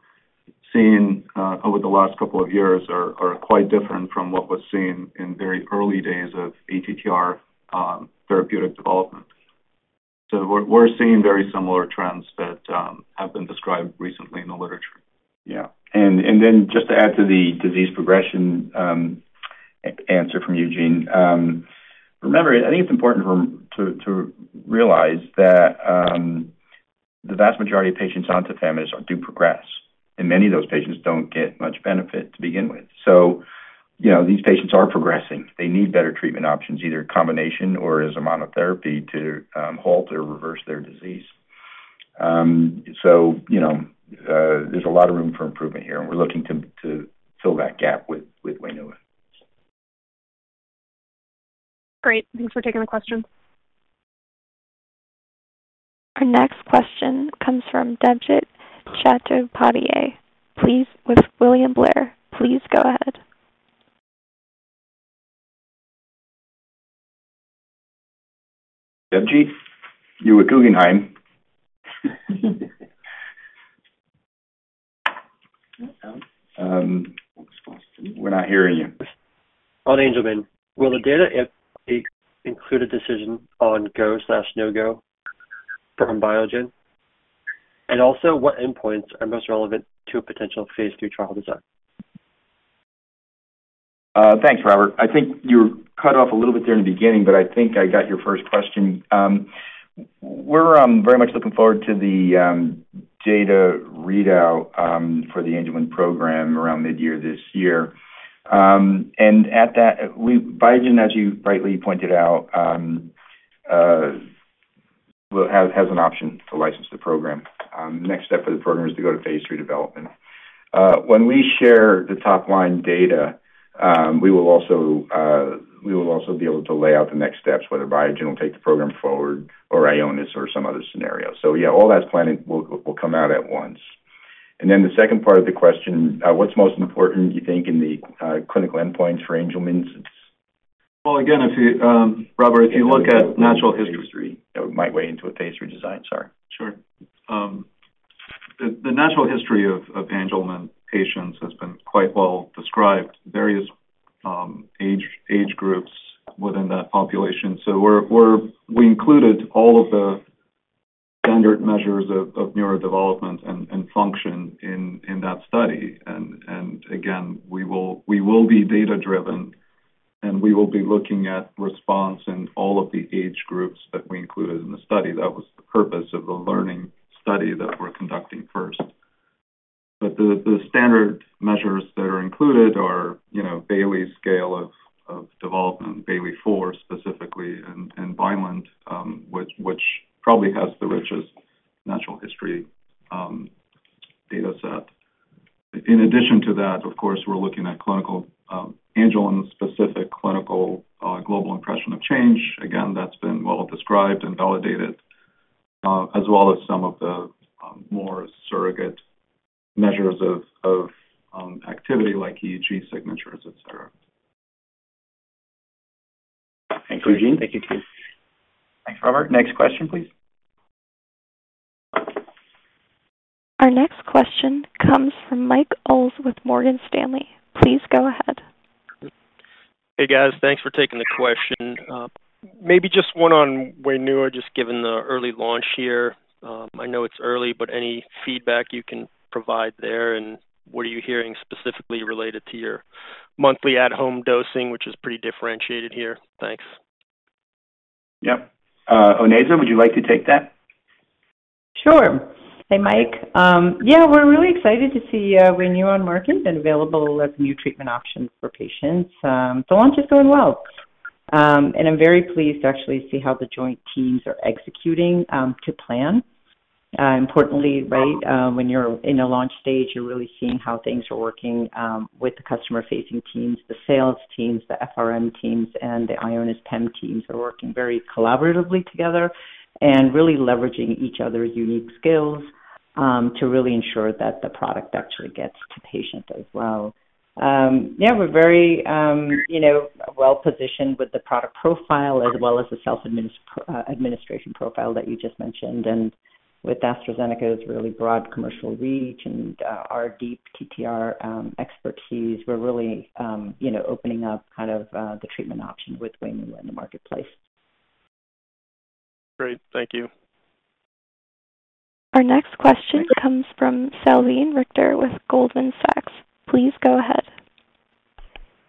seeing over the last couple of years are quite different from what was seen in very early days of ATTR therapeutic development. So we're seeing very similar trends that have been described recently in the literature. Yeah. And then just to add to the disease progression answer from Eugene, remember, I think it's important to realize that the vast majority of patients on tafamidis do progress, and many of those patients don't get much benefit to begin with. So these patients are progressing. They need better treatment options, either combination or as a monotherapy to halt or reverse their disease. So there's a lot of room for improvement here, and we're looking to fill that gap with WAINUA. Great. Thanks for taking the question. Our next question comes from Debjit Chattopadhyay with William Blair. Please go ahead. Debjit, you were Guggenheim. We're not hearing you. On Angelman, will the data include a decision on go/no-go from Biogen? And also, what endpoints are most relevant to a potential phase III trial design? Thanks, Robert. I think you were cut off a little bit there in the beginning, but I think I got your first question. We're very much looking forward to the data readout for the Angelman program around midyear this year. And Biogen, as you rightly pointed out, has an option to license the program. The next step for the program is to go to phase III development. When we share the top-line data, we will also be able to lay out the next steps, whether Biogen will take the program forward or Ionis or some other scenario. So yeah, all that's planning will come out at once. And then the second part of the question, what's most important, you think, in the clinical endpoints for Angelman's? Well, again, Robert, if you look at natural history. It might weigh into a phase III design. Sorry. Sure. The natural history of Angelman patients has been quite well described, various age groups within that population. So we included all of the standard measures of neurodevelopment and function in that study. And again, we will be data-driven, and we will be looking at response in all of the age groups that we included in the study. That was the purpose of the learning study that we're conducting first. But the standard measures that are included are Bayley scale of development, Bayley IV specifically, and Vineland, which probably has the richest natural history data set. In addition to that, of course, we're looking at Angelman-specific clinical global impression of change. Again, that's been well described and validated, as well as some of the more surrogate measures of activity like EEG signatures, etc. Thanks, Eugene. Thank you, Steve. Thanks, Robert. Next question, please. Our next question comes from Mike Ulz with Morgan Stanley. Please go ahead. Hey, guys. Thanks for taking the question. Maybe just one on WAINUA, just given the early launch year. I know it's early, but any feedback you can provide there. And what are you hearing specifically related to your monthly at-home dosing, which is pretty differentiated here? Thanks. Yep. Onaiza, would you like to take that? Sure. Hey, Mike. Yeah, we're really excited to see WAINUA on market and available as a new treatment option for patients. The launch is going well, and I'm very pleased to actually see how the joint teams are executing to plan. Importantly, right, when you're in a launch stage, you're really seeing how things are working with the customer-facing teams, the sales teams, the FRM teams, and the Ionis PEM teams are working very collaboratively together and really leveraging each other's unique skills to really ensure that the product actually gets to patients as well. Yeah, we're very well-positioned with the product profile as well as the self-administration profile that you just mentioned. And with AstraZeneca's really broad commercial reach and our deep TTR expertise, we're really opening up kind of the treatment option with WAINUA in the marketplace. Great. Thank you. Our next question comes from Salveen Richter with Goldman Sachs.Please go ahead.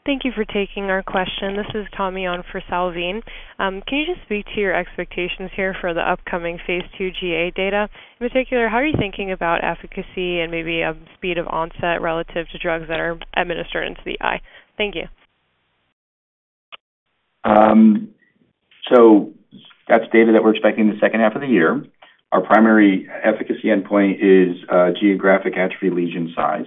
Thank you for taking our question. This is Tommie on for Salveen. Can you just speak to your expectations here for the upcoming phase II GA data? In particular, how are you thinking about efficacy and maybe speed of onset relative to drugs that are administered into the eye? Thank you. So that's data that we're expecting the second half of the year. Our primary efficacy endpoint is geographic atrophy lesion size.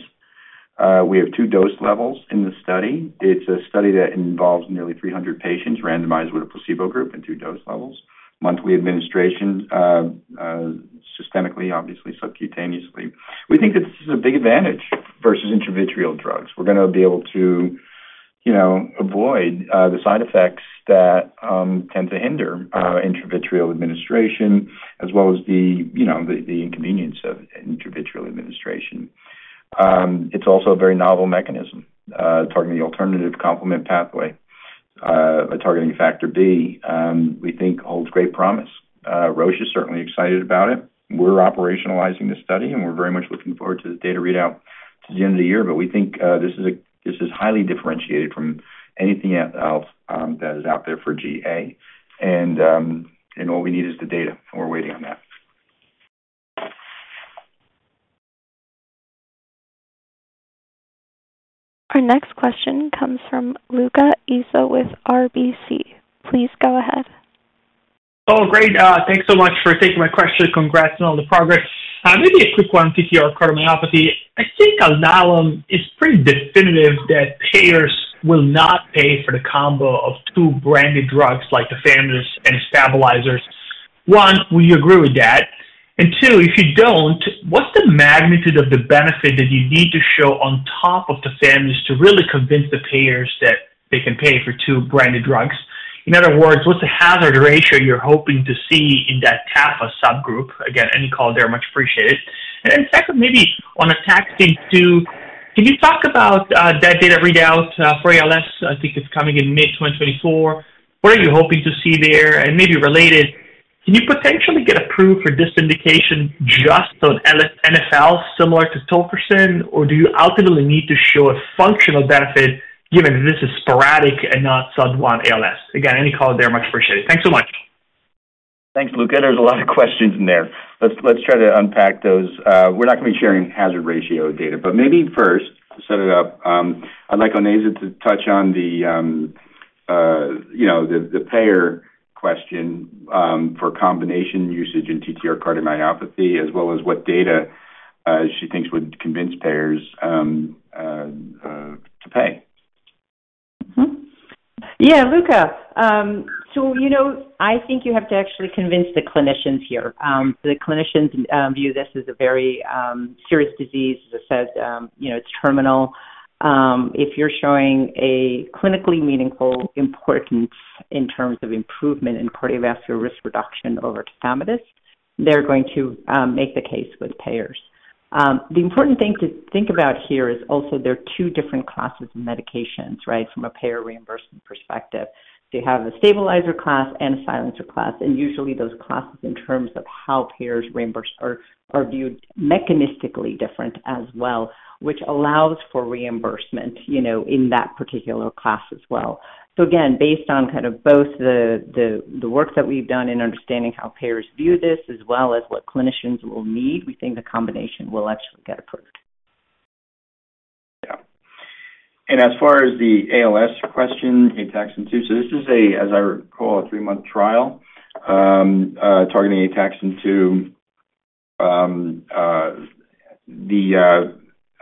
We have two dose levels in the study. It's a study that involves nearly 300 patients randomized with a placebo group and two dose levels, monthly administration systemically, obviously, subcutaneously. We think that this is a big advantage versus intravitreal drugs. We're going to be able to avoid the side effects that tend to hinder intravitreal administration as well as the inconvenience of intravitreal administration. It's also a very novel mechanism, targeting the alternative complement pathway by targeting factor B. We think holds great promise. Roche is certainly excited about it. We're operationalizing the study, and we're very much looking forward to the data readout to the end of the year. But we think this is highly differentiated from anything else that is out there for GA. And all we need is the data, and we're waiting on that. Our next question comes from Luca Issi with RBC. Please go ahead. Oh, great. Thanks so much for taking my question. Congrats on all the progress. Maybe a quick one on TTR cardiomyopathy. I think Alnylam is pretty definitive that payers will not pay for the combo of two branded drugs like tafamidis and stabilizers. One, will you agree with that? And two, if you don't, what's the magnitude of the benefit that you need to show on top of tafamidis to really convince the payers that they can pay for two branded drugs? In other words, what's the hazard ratio you're hoping to see in that tafamidis subgroup? Again, any call there, much appreciated. And then second, maybe on ATTR things too, can you talk about that data readout for ALS? I think it's coming in mid-2024. What are you hoping to see there? And maybe related, can you potentially get approved for this indication just on NfL similar to tofersen, or do you ultimately need to show a functional benefit given that this is sporadic and not SOD1 ALS? Again, any call there, much appreciated. Thanks so much. Thanks, Luca. There's a lot of questions in there. Let's try to unpack those. We're not going to be sharing hazard ratio data, but maybe first to set it up, I'd like Onaiza to touch on the payer question for combination usage in TTR cardiomyopathy as well as what data she thinks would convince payers to pay. Yeah, Luca. So I think you have to actually convince the clinicians here. The clinicians view this as a very serious disease. As I said, it's terminal. If you're showing a clinically meaningful importance in terms of improvement in cardiovascular risk reduction over tafamidis, they're going to make the case with payers. The important thing to think about here is also there are two different classes of medications, right, from a payer reimbursement perspective. They have a stabilizer class and a silencer class. Usually, those classes, in terms of how payers reimburse, are viewed mechanistically different as well, which allows for reimbursement in that particular class as well. So again, based on kind of both the work that we've done in understanding how payers view this as well as what clinicians will need, we think the combination will actually get approved. Yeah. As far as the ALS question, ATAXN2, so this is, as I recall, a three-month trial targeting ATAXN2.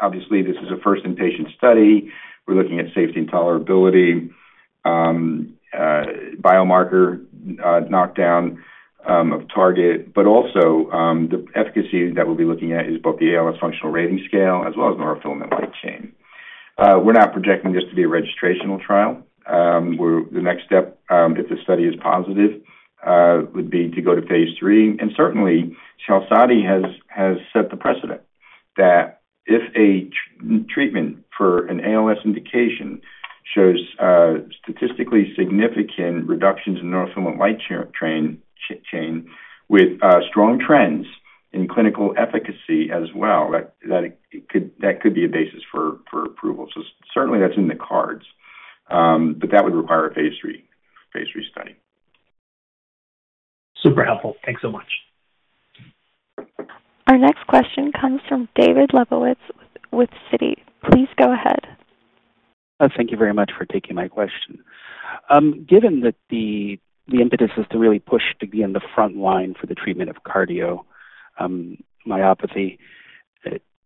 Obviously, this is a first-in-patient study. We're looking at safety and tolerability, biomarker knockdown of target, but also the efficacy that we'll be looking at is both the ALS functional rating scale as well as neurofilament light chain. We're not projecting this to be a registrational trial. The next step, if the study is positive, would be to go to phase III. Certainly, QALSODY has set the precedent that if a treatment for an ALS indication shows statistically significant reductions in neurofilament light chain with strong trends in clinical efficacy as well, that could be a basis for approval. Certainly, that's in the cards, but that would require a phase III study. Super helpful. Thanks so much. Our next question comes from David Lebowitz with Citi. Please go ahead. Thank you very much for taking my question. Given that the impetus is to really push to be in the front line for the treatment of cardiomyopathy,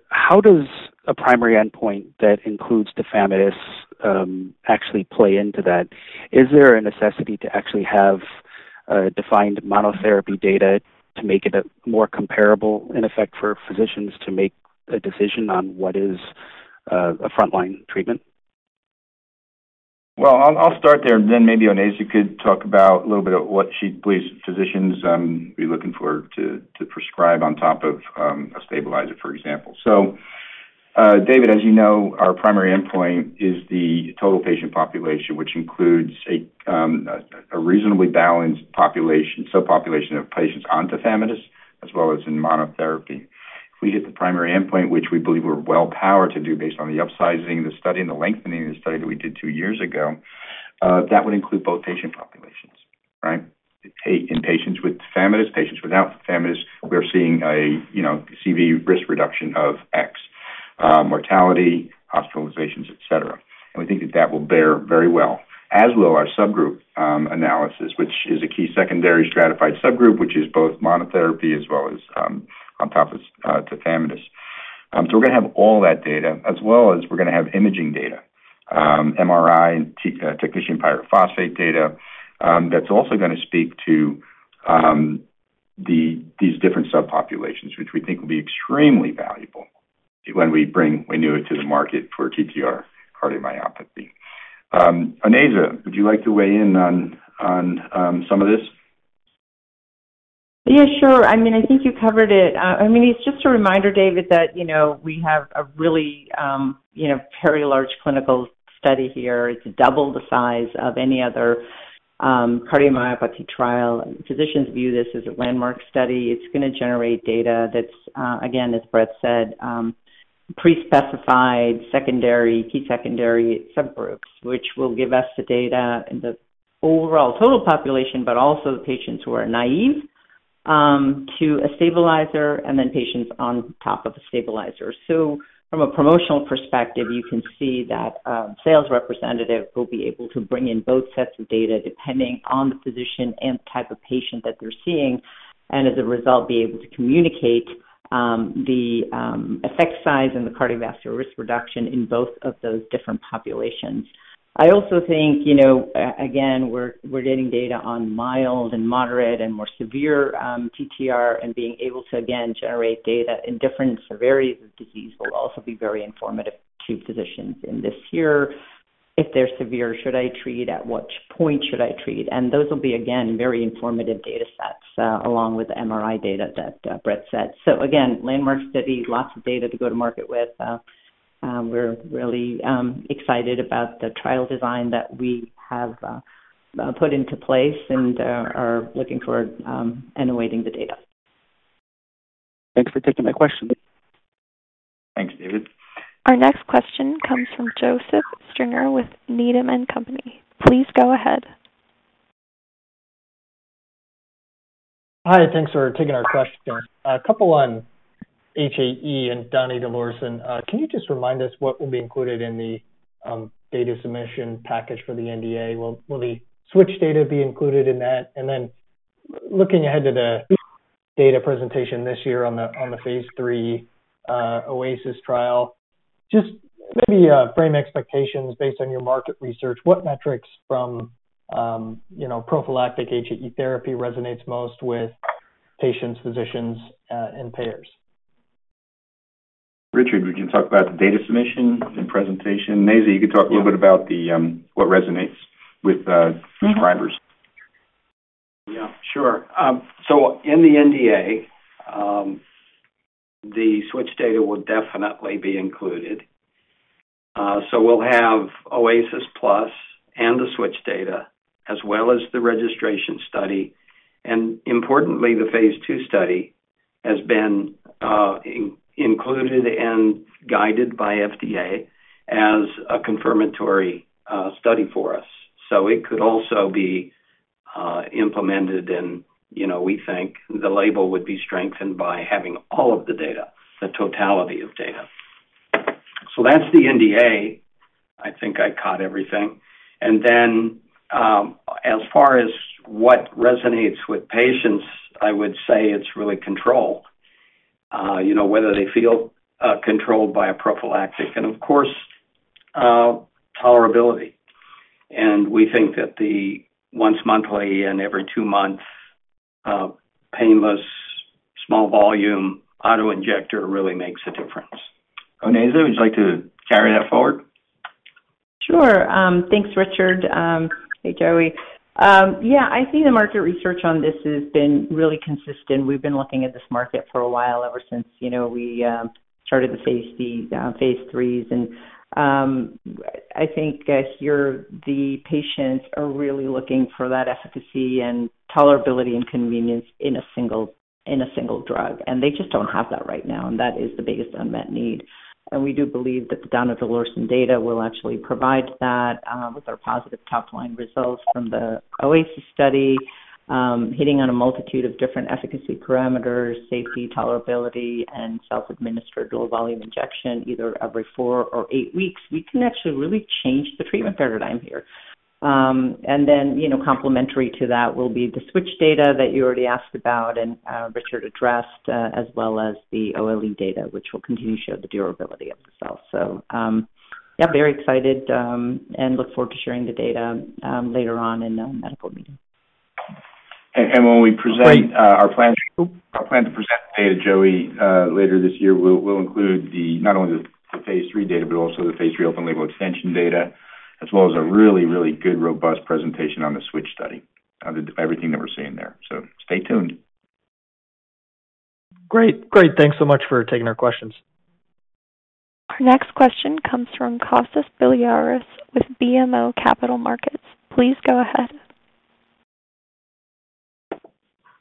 how does a primary endpoint that includes tafamidis actually play into that? Is there a necessity to actually have defined monotherapy data to make it more comparable, in effect, for physicians to make a decision on what is a front-line treatment? Well, I'll start there, and then maybe Onaiza could talk about a little bit of what she believes physicians be looking for to prescribe on top of a stabilizer, for example. So David, as you know, our primary endpoint is the total patient population, which includes a reasonably balanced subpopulation of patients on tafamidis as well as in monotherapy. If we hit the primary endpoint, which we believe we're well-powered to do based on the upsizing of the study and the lengthening of the study that we did two years ago, that would include both patient populations, right? In patients with tafamidis, patients without tafamidis, we're seeing a CV risk reduction of X, mortality, hospitalizations, etc. And we think that that will bear very well, as will our subgroup analysis, which is a key secondary stratified subgroup, which is both monotherapy as well as on top of tafamidis. So we're going to have all that data, as well as we're going to have imaging data, MRI, and technetium pyrophosphate data that's also going to speak to these different subpopulations, which we think will be extremely valuable when we bring WAINUA to the market for TTR cardiomyopathy. Onaiza, would you like to weigh in on some of this? Yeah, sure. I mean, I think you covered it. I mean, it's just a reminder, David, that we have a really very large clinical study here. It's double the size of any other cardiomyopathy trial. Physicians view this as a landmark study. It's going to generate data that's, again, as Brett said, prespecified key secondary subgroups, which will give us the data and the overall total population, but also the patients who are naive to a stabilizer and then patients on top of a stabilizer. So from a promotional perspective, you can see that sales representative will be able to bring in both sets of data depending on the physician and the type of patient that they're seeing and, as a result, be able to communicate the effect size and the cardiovascular risk reduction in both of those different populations. I also think, again, we're getting data on mild and moderate and more severe TTR, and being able to, again, generate data in different severities of disease will also be very informative to physicians in this year. If they're severe, should I treat? At what point should I treat? And those will be, again, very informative data sets along with the MRI data that Brett said. So again, landmark study, lots of data to go to market with. We're really excited about the trial design that we have put into place and are looking forward to innovating the data. Thanks for taking my question. Thanks, David. Our next question comes from Joseph Stringer with Needham & Company. Please go ahead. Hi. Thanks for taking our questions. A couple on HAE and donidalorsen. Can you just remind us what will be included in the data submission package for the NDA? Will the switch data be included in that? And then looking ahead to the data presentation this year on the phase III OASIS trial, just maybe frame expectations based on your market research. What metrics from prophylactic HAE therapy resonates most with patients, physicians, and payers? Richard, we can talk about the data submission and presentation. Onaiza, you could talk a little bit about what resonates with subscribers. Yeah, sure. So in the NDA, the switch data will definitely be included. So we'll have OASIS+ and the switch data as well as the registration study. And importantly, the phase II study has been included and guided by FDA as a confirmatory study for us. So it could also be implemented, and we think the label would be strengthened by having all of the data, the totality of data. So that's the NDA. I think I caught everything. And then as far as what resonates with patients, I would say it's really control, whether they feel controlled by a prophylactic and, of course, tolerability. And we think that the once-monthly and every two-month painless small-volume autoinjector really makes a difference. Onaiza, would you like to carry that forward? Sure. Thanks, Richard. Hey, Joey. Yeah, I think the market research on this has been really consistent. We've been looking at this market for a while ever since we started the phase IIIs. I think here, the patients are really looking for that efficacy and tolerability and convenience in a single drug. They just don't have that right now, and that is the biggest unmet need. We do believe that the donidalorsen data will actually provide that with our positive top-line results from the OASIS study, hitting on a multitude of different efficacy parameters, safety, tolerability, and self-administered low-volume injection either every 4 or 8 weeks. We can actually really change the treatment paradigm here. Then complementary to that will be the switch data that you already asked about and Richard addressed, as well as the OLE data, which will continue to show the durability of the cells. So yeah, very excited and look forward to sharing the data later on in a medical meeting. And when we present our plan to present the data, Joey, later this year, we'll include not only the phase III data but also the phase III open-label extension data as well as a really, really good, robust presentation on the switch study, everything that we're seeing there. So stay tuned. Great. Great. Thanks so much for taking our questions. Our next question comes from Kostas Biliouris with BMO Capital Markets. Please go ahead.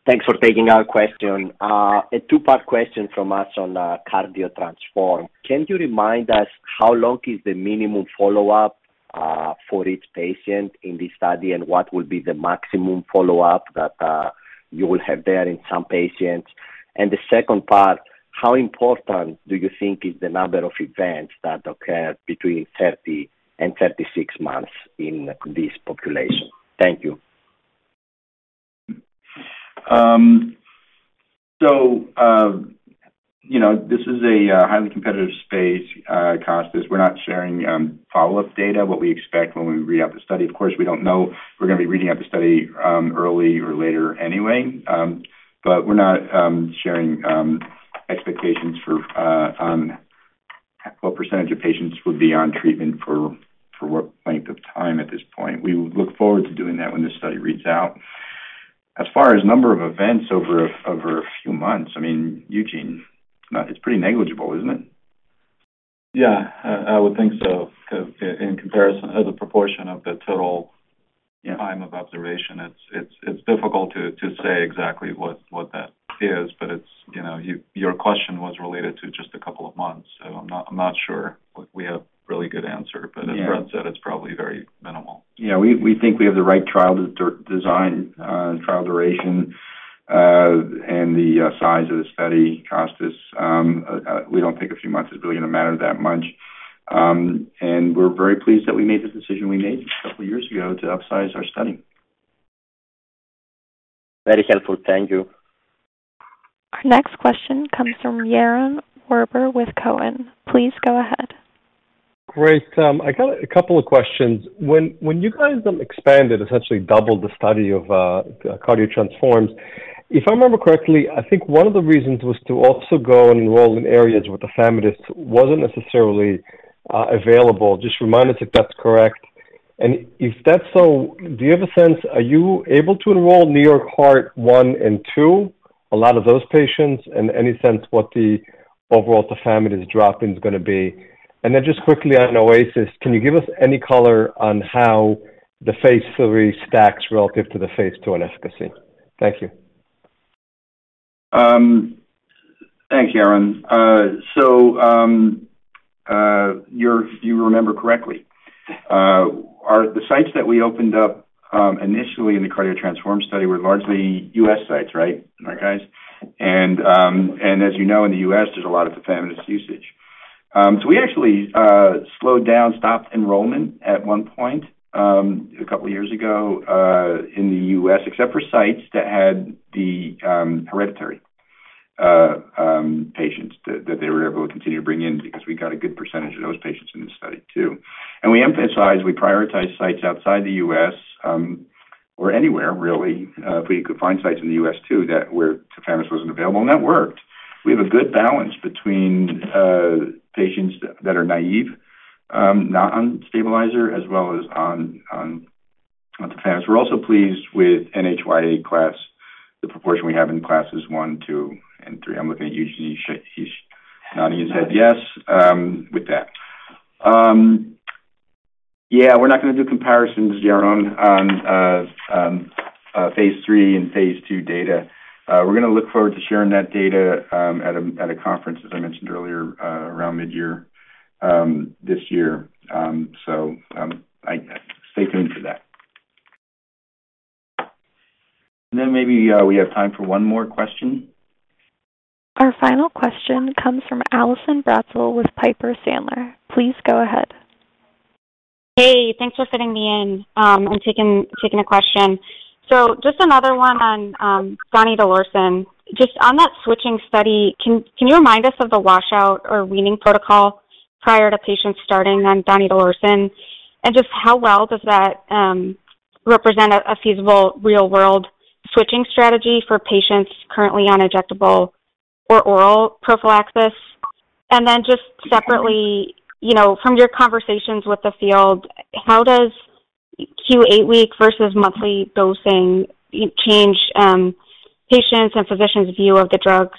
Thanks for taking our question. A two-part question from us on CARDIO-TTRansform. Can you remind us how long is the minimum follow-up for each patient in this study, and what will be the maximum follow-up that you will have there in some patients? And the second part, how important do you think is the number of events that occur between 30 and 36 months in this population? Thank you. So this is a highly competitive space, Kostas. We're not sharing follow-up data, what we expect when we read out the study. Of course, we don't know. We're going to be reading out the study early or later anyway, but we're not sharing expectations for what percentage of patients would be on treatment for what length of time at this point. We look forward to doing that when this study reads out. As far as number of events over a few months, I mean, Eugene, it's pretty negligible, isn't it? Yeah, I would think so in comparison to the proportion of the total time of observation. It's difficult to say exactly what that is, but your question was related to just a couple of months, so I'm not sure we have a really good answer. But as Brett said, it's probably very minimal. Yeah, we think we have the right trial design, trial duration, and the size of the study, Kostas. We don't think a few months is really going to matter that much. And we're very pleased that we made the decision we made a couple of years ago to upsize our study. Very helpful. Thank you. Our next question comes from Yaron Werber with Cowen. Please go ahead. Great. I got a couple of questions. When you guys expanded, essentially doubled the study of CARDIO-TTRansform, if I remember correctly, I think one of the reasons was to also go and enroll in areas where tafamidis wasn't necessarily available. Just remind us if that's correct. If that's so, do you have a sense are you able to enroll NYHA 1 and 2, a lot of those patients, and any sense what the overall tafamidis drop-in is going to be? Then just quickly on OASIS, can you give us any color on how the phase III stacks relative to the phase II in efficacy? Thank you. Thanks, Yaron. If you remember correctly, the sites that we opened up initially in the CARDIO-TTRansform study were largely U.S. sites, right, my guys? And as you know, in the U.S., there's a lot of tafamidis usage. We actually slowed down, stopped enrollment at one point a couple of years ago in the U.S. except for sites that had the hereditary patients that they were able to continue to bring in because we got a good percentage of those patients in this study too. We emphasize, we prioritize sites outside the U.S. or anywhere, really. If we could find sites in the U.S. too where tafamidis wasn't available, and that worked. We have a good balance between patients that are naive, not on stabilizer, as well as on tafamidis. We're also pleased with NYHA class, the proportion we have in classes one, two, and three. I'm looking at Eugene. Donnie has said yes with that. Yeah, we're not going to do comparisons, Yaron, on phase III and phase II data. We're going to look forward to sharing that data at a conference, as I mentioned earlier, around midyear this year. Stay tuned for that. And then maybe we have time for one more question. Our final question comes from Allison Bratzel with Piper Sandler. Please go ahead. Hey. Thanks for fitting me in and taking a question. So just another one on donidalorsen. Just on that switching study, can you remind us of the washout or weaning protocol prior to patients starting on donidalorsen? And just how well does that represent a feasible, real-world switching strategy for patients currently on injectable or oral prophylaxis? And then just separately, from your conversations with the field, how does q8-week versus monthly dosing change patients' and physicians' view of the drug's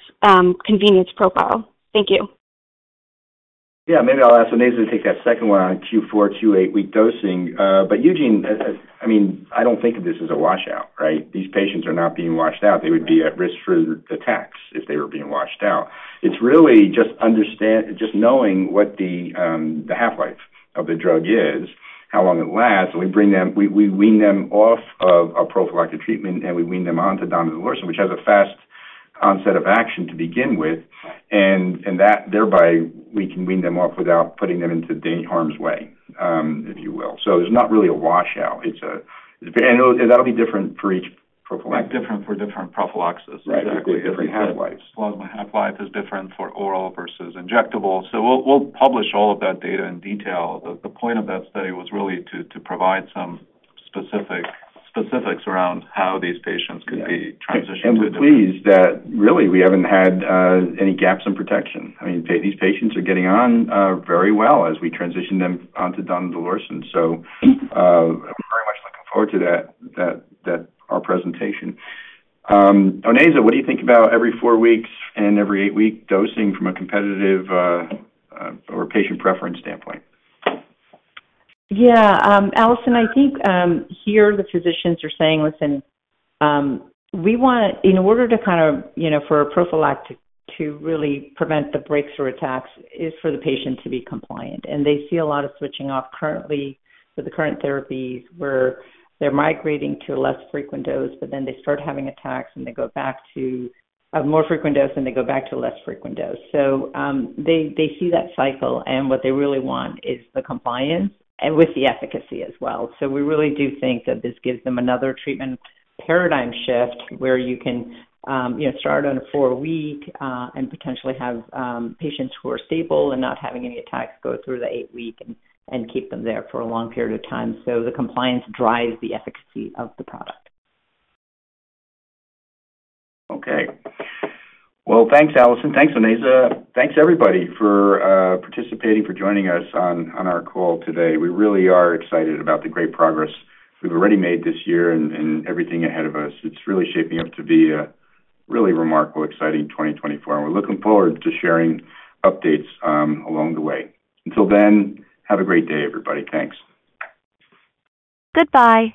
convenience profile? Thank you. Yeah, maybe I'll ask Onaiza to take that second one on Q4, Q8-week dosing. But Eugene, I mean, I don't think of this as a washout, right? These patients are not being washed out. They would be at risk for attacks if they were being washed out. It's really just knowing what the half-life of the drug is, how long it lasts. We wean them off of a prophylactic treatment, and we wean them onto donidalorsen, which has a fast onset of action to begin with. And thereby, we can wean them off without putting them into harm's way, if you will. So it's not really a washout. And that'll be different for each prophylactic. Different for different prophylaxis, exactly. Right. Different half-lives. Plasma half-life is different for oral versus injectable. So we'll publish all of that data in detail. The point of that study was really to provide some specifics around how these patients could be transitioned to a different. I'm pleased that, really, we haven't had any gaps in protection. I mean, these patients are getting on very well as we transition them onto donidalorsen. So I'm very much looking forward to our presentation. Onaiza, what do you think about every four weeks and every eight-week dosing from a competitive or patient preference standpoint? Yeah. Allison, I think here, the physicians are saying, "Listen, we want to in order to kind of for a prophylactic to really prevent the breakthrough attacks is for the patient to be compliant." And they see a lot of switching off currently with the current therapies where they're migrating to a less frequent dose, but then they start having attacks, and they go back to a more frequent dose, and they go back to a less frequent dose. So they see that cycle, and what they really want is the compliance with the efficacy as well. So we really do think that this gives them another treatment paradigm shift where you can start on a four-week and potentially have patients who are stable and not having any attacks go through the eight-week and keep them there for a long period of time. So the compliance drives the efficacy of the product. Okay. Well, thanks, Allison. Thanks, Onaiza. Thanks, everybody, for participating, for joining us on our call today. We really are excited about the great progress we've already made this year and everything ahead of us. It's really shaping up to be a really remarkable, exciting 2024. And we're looking forward to sharing updates along the way. Until then, have a great day, everybody. Thanks. Goodbye.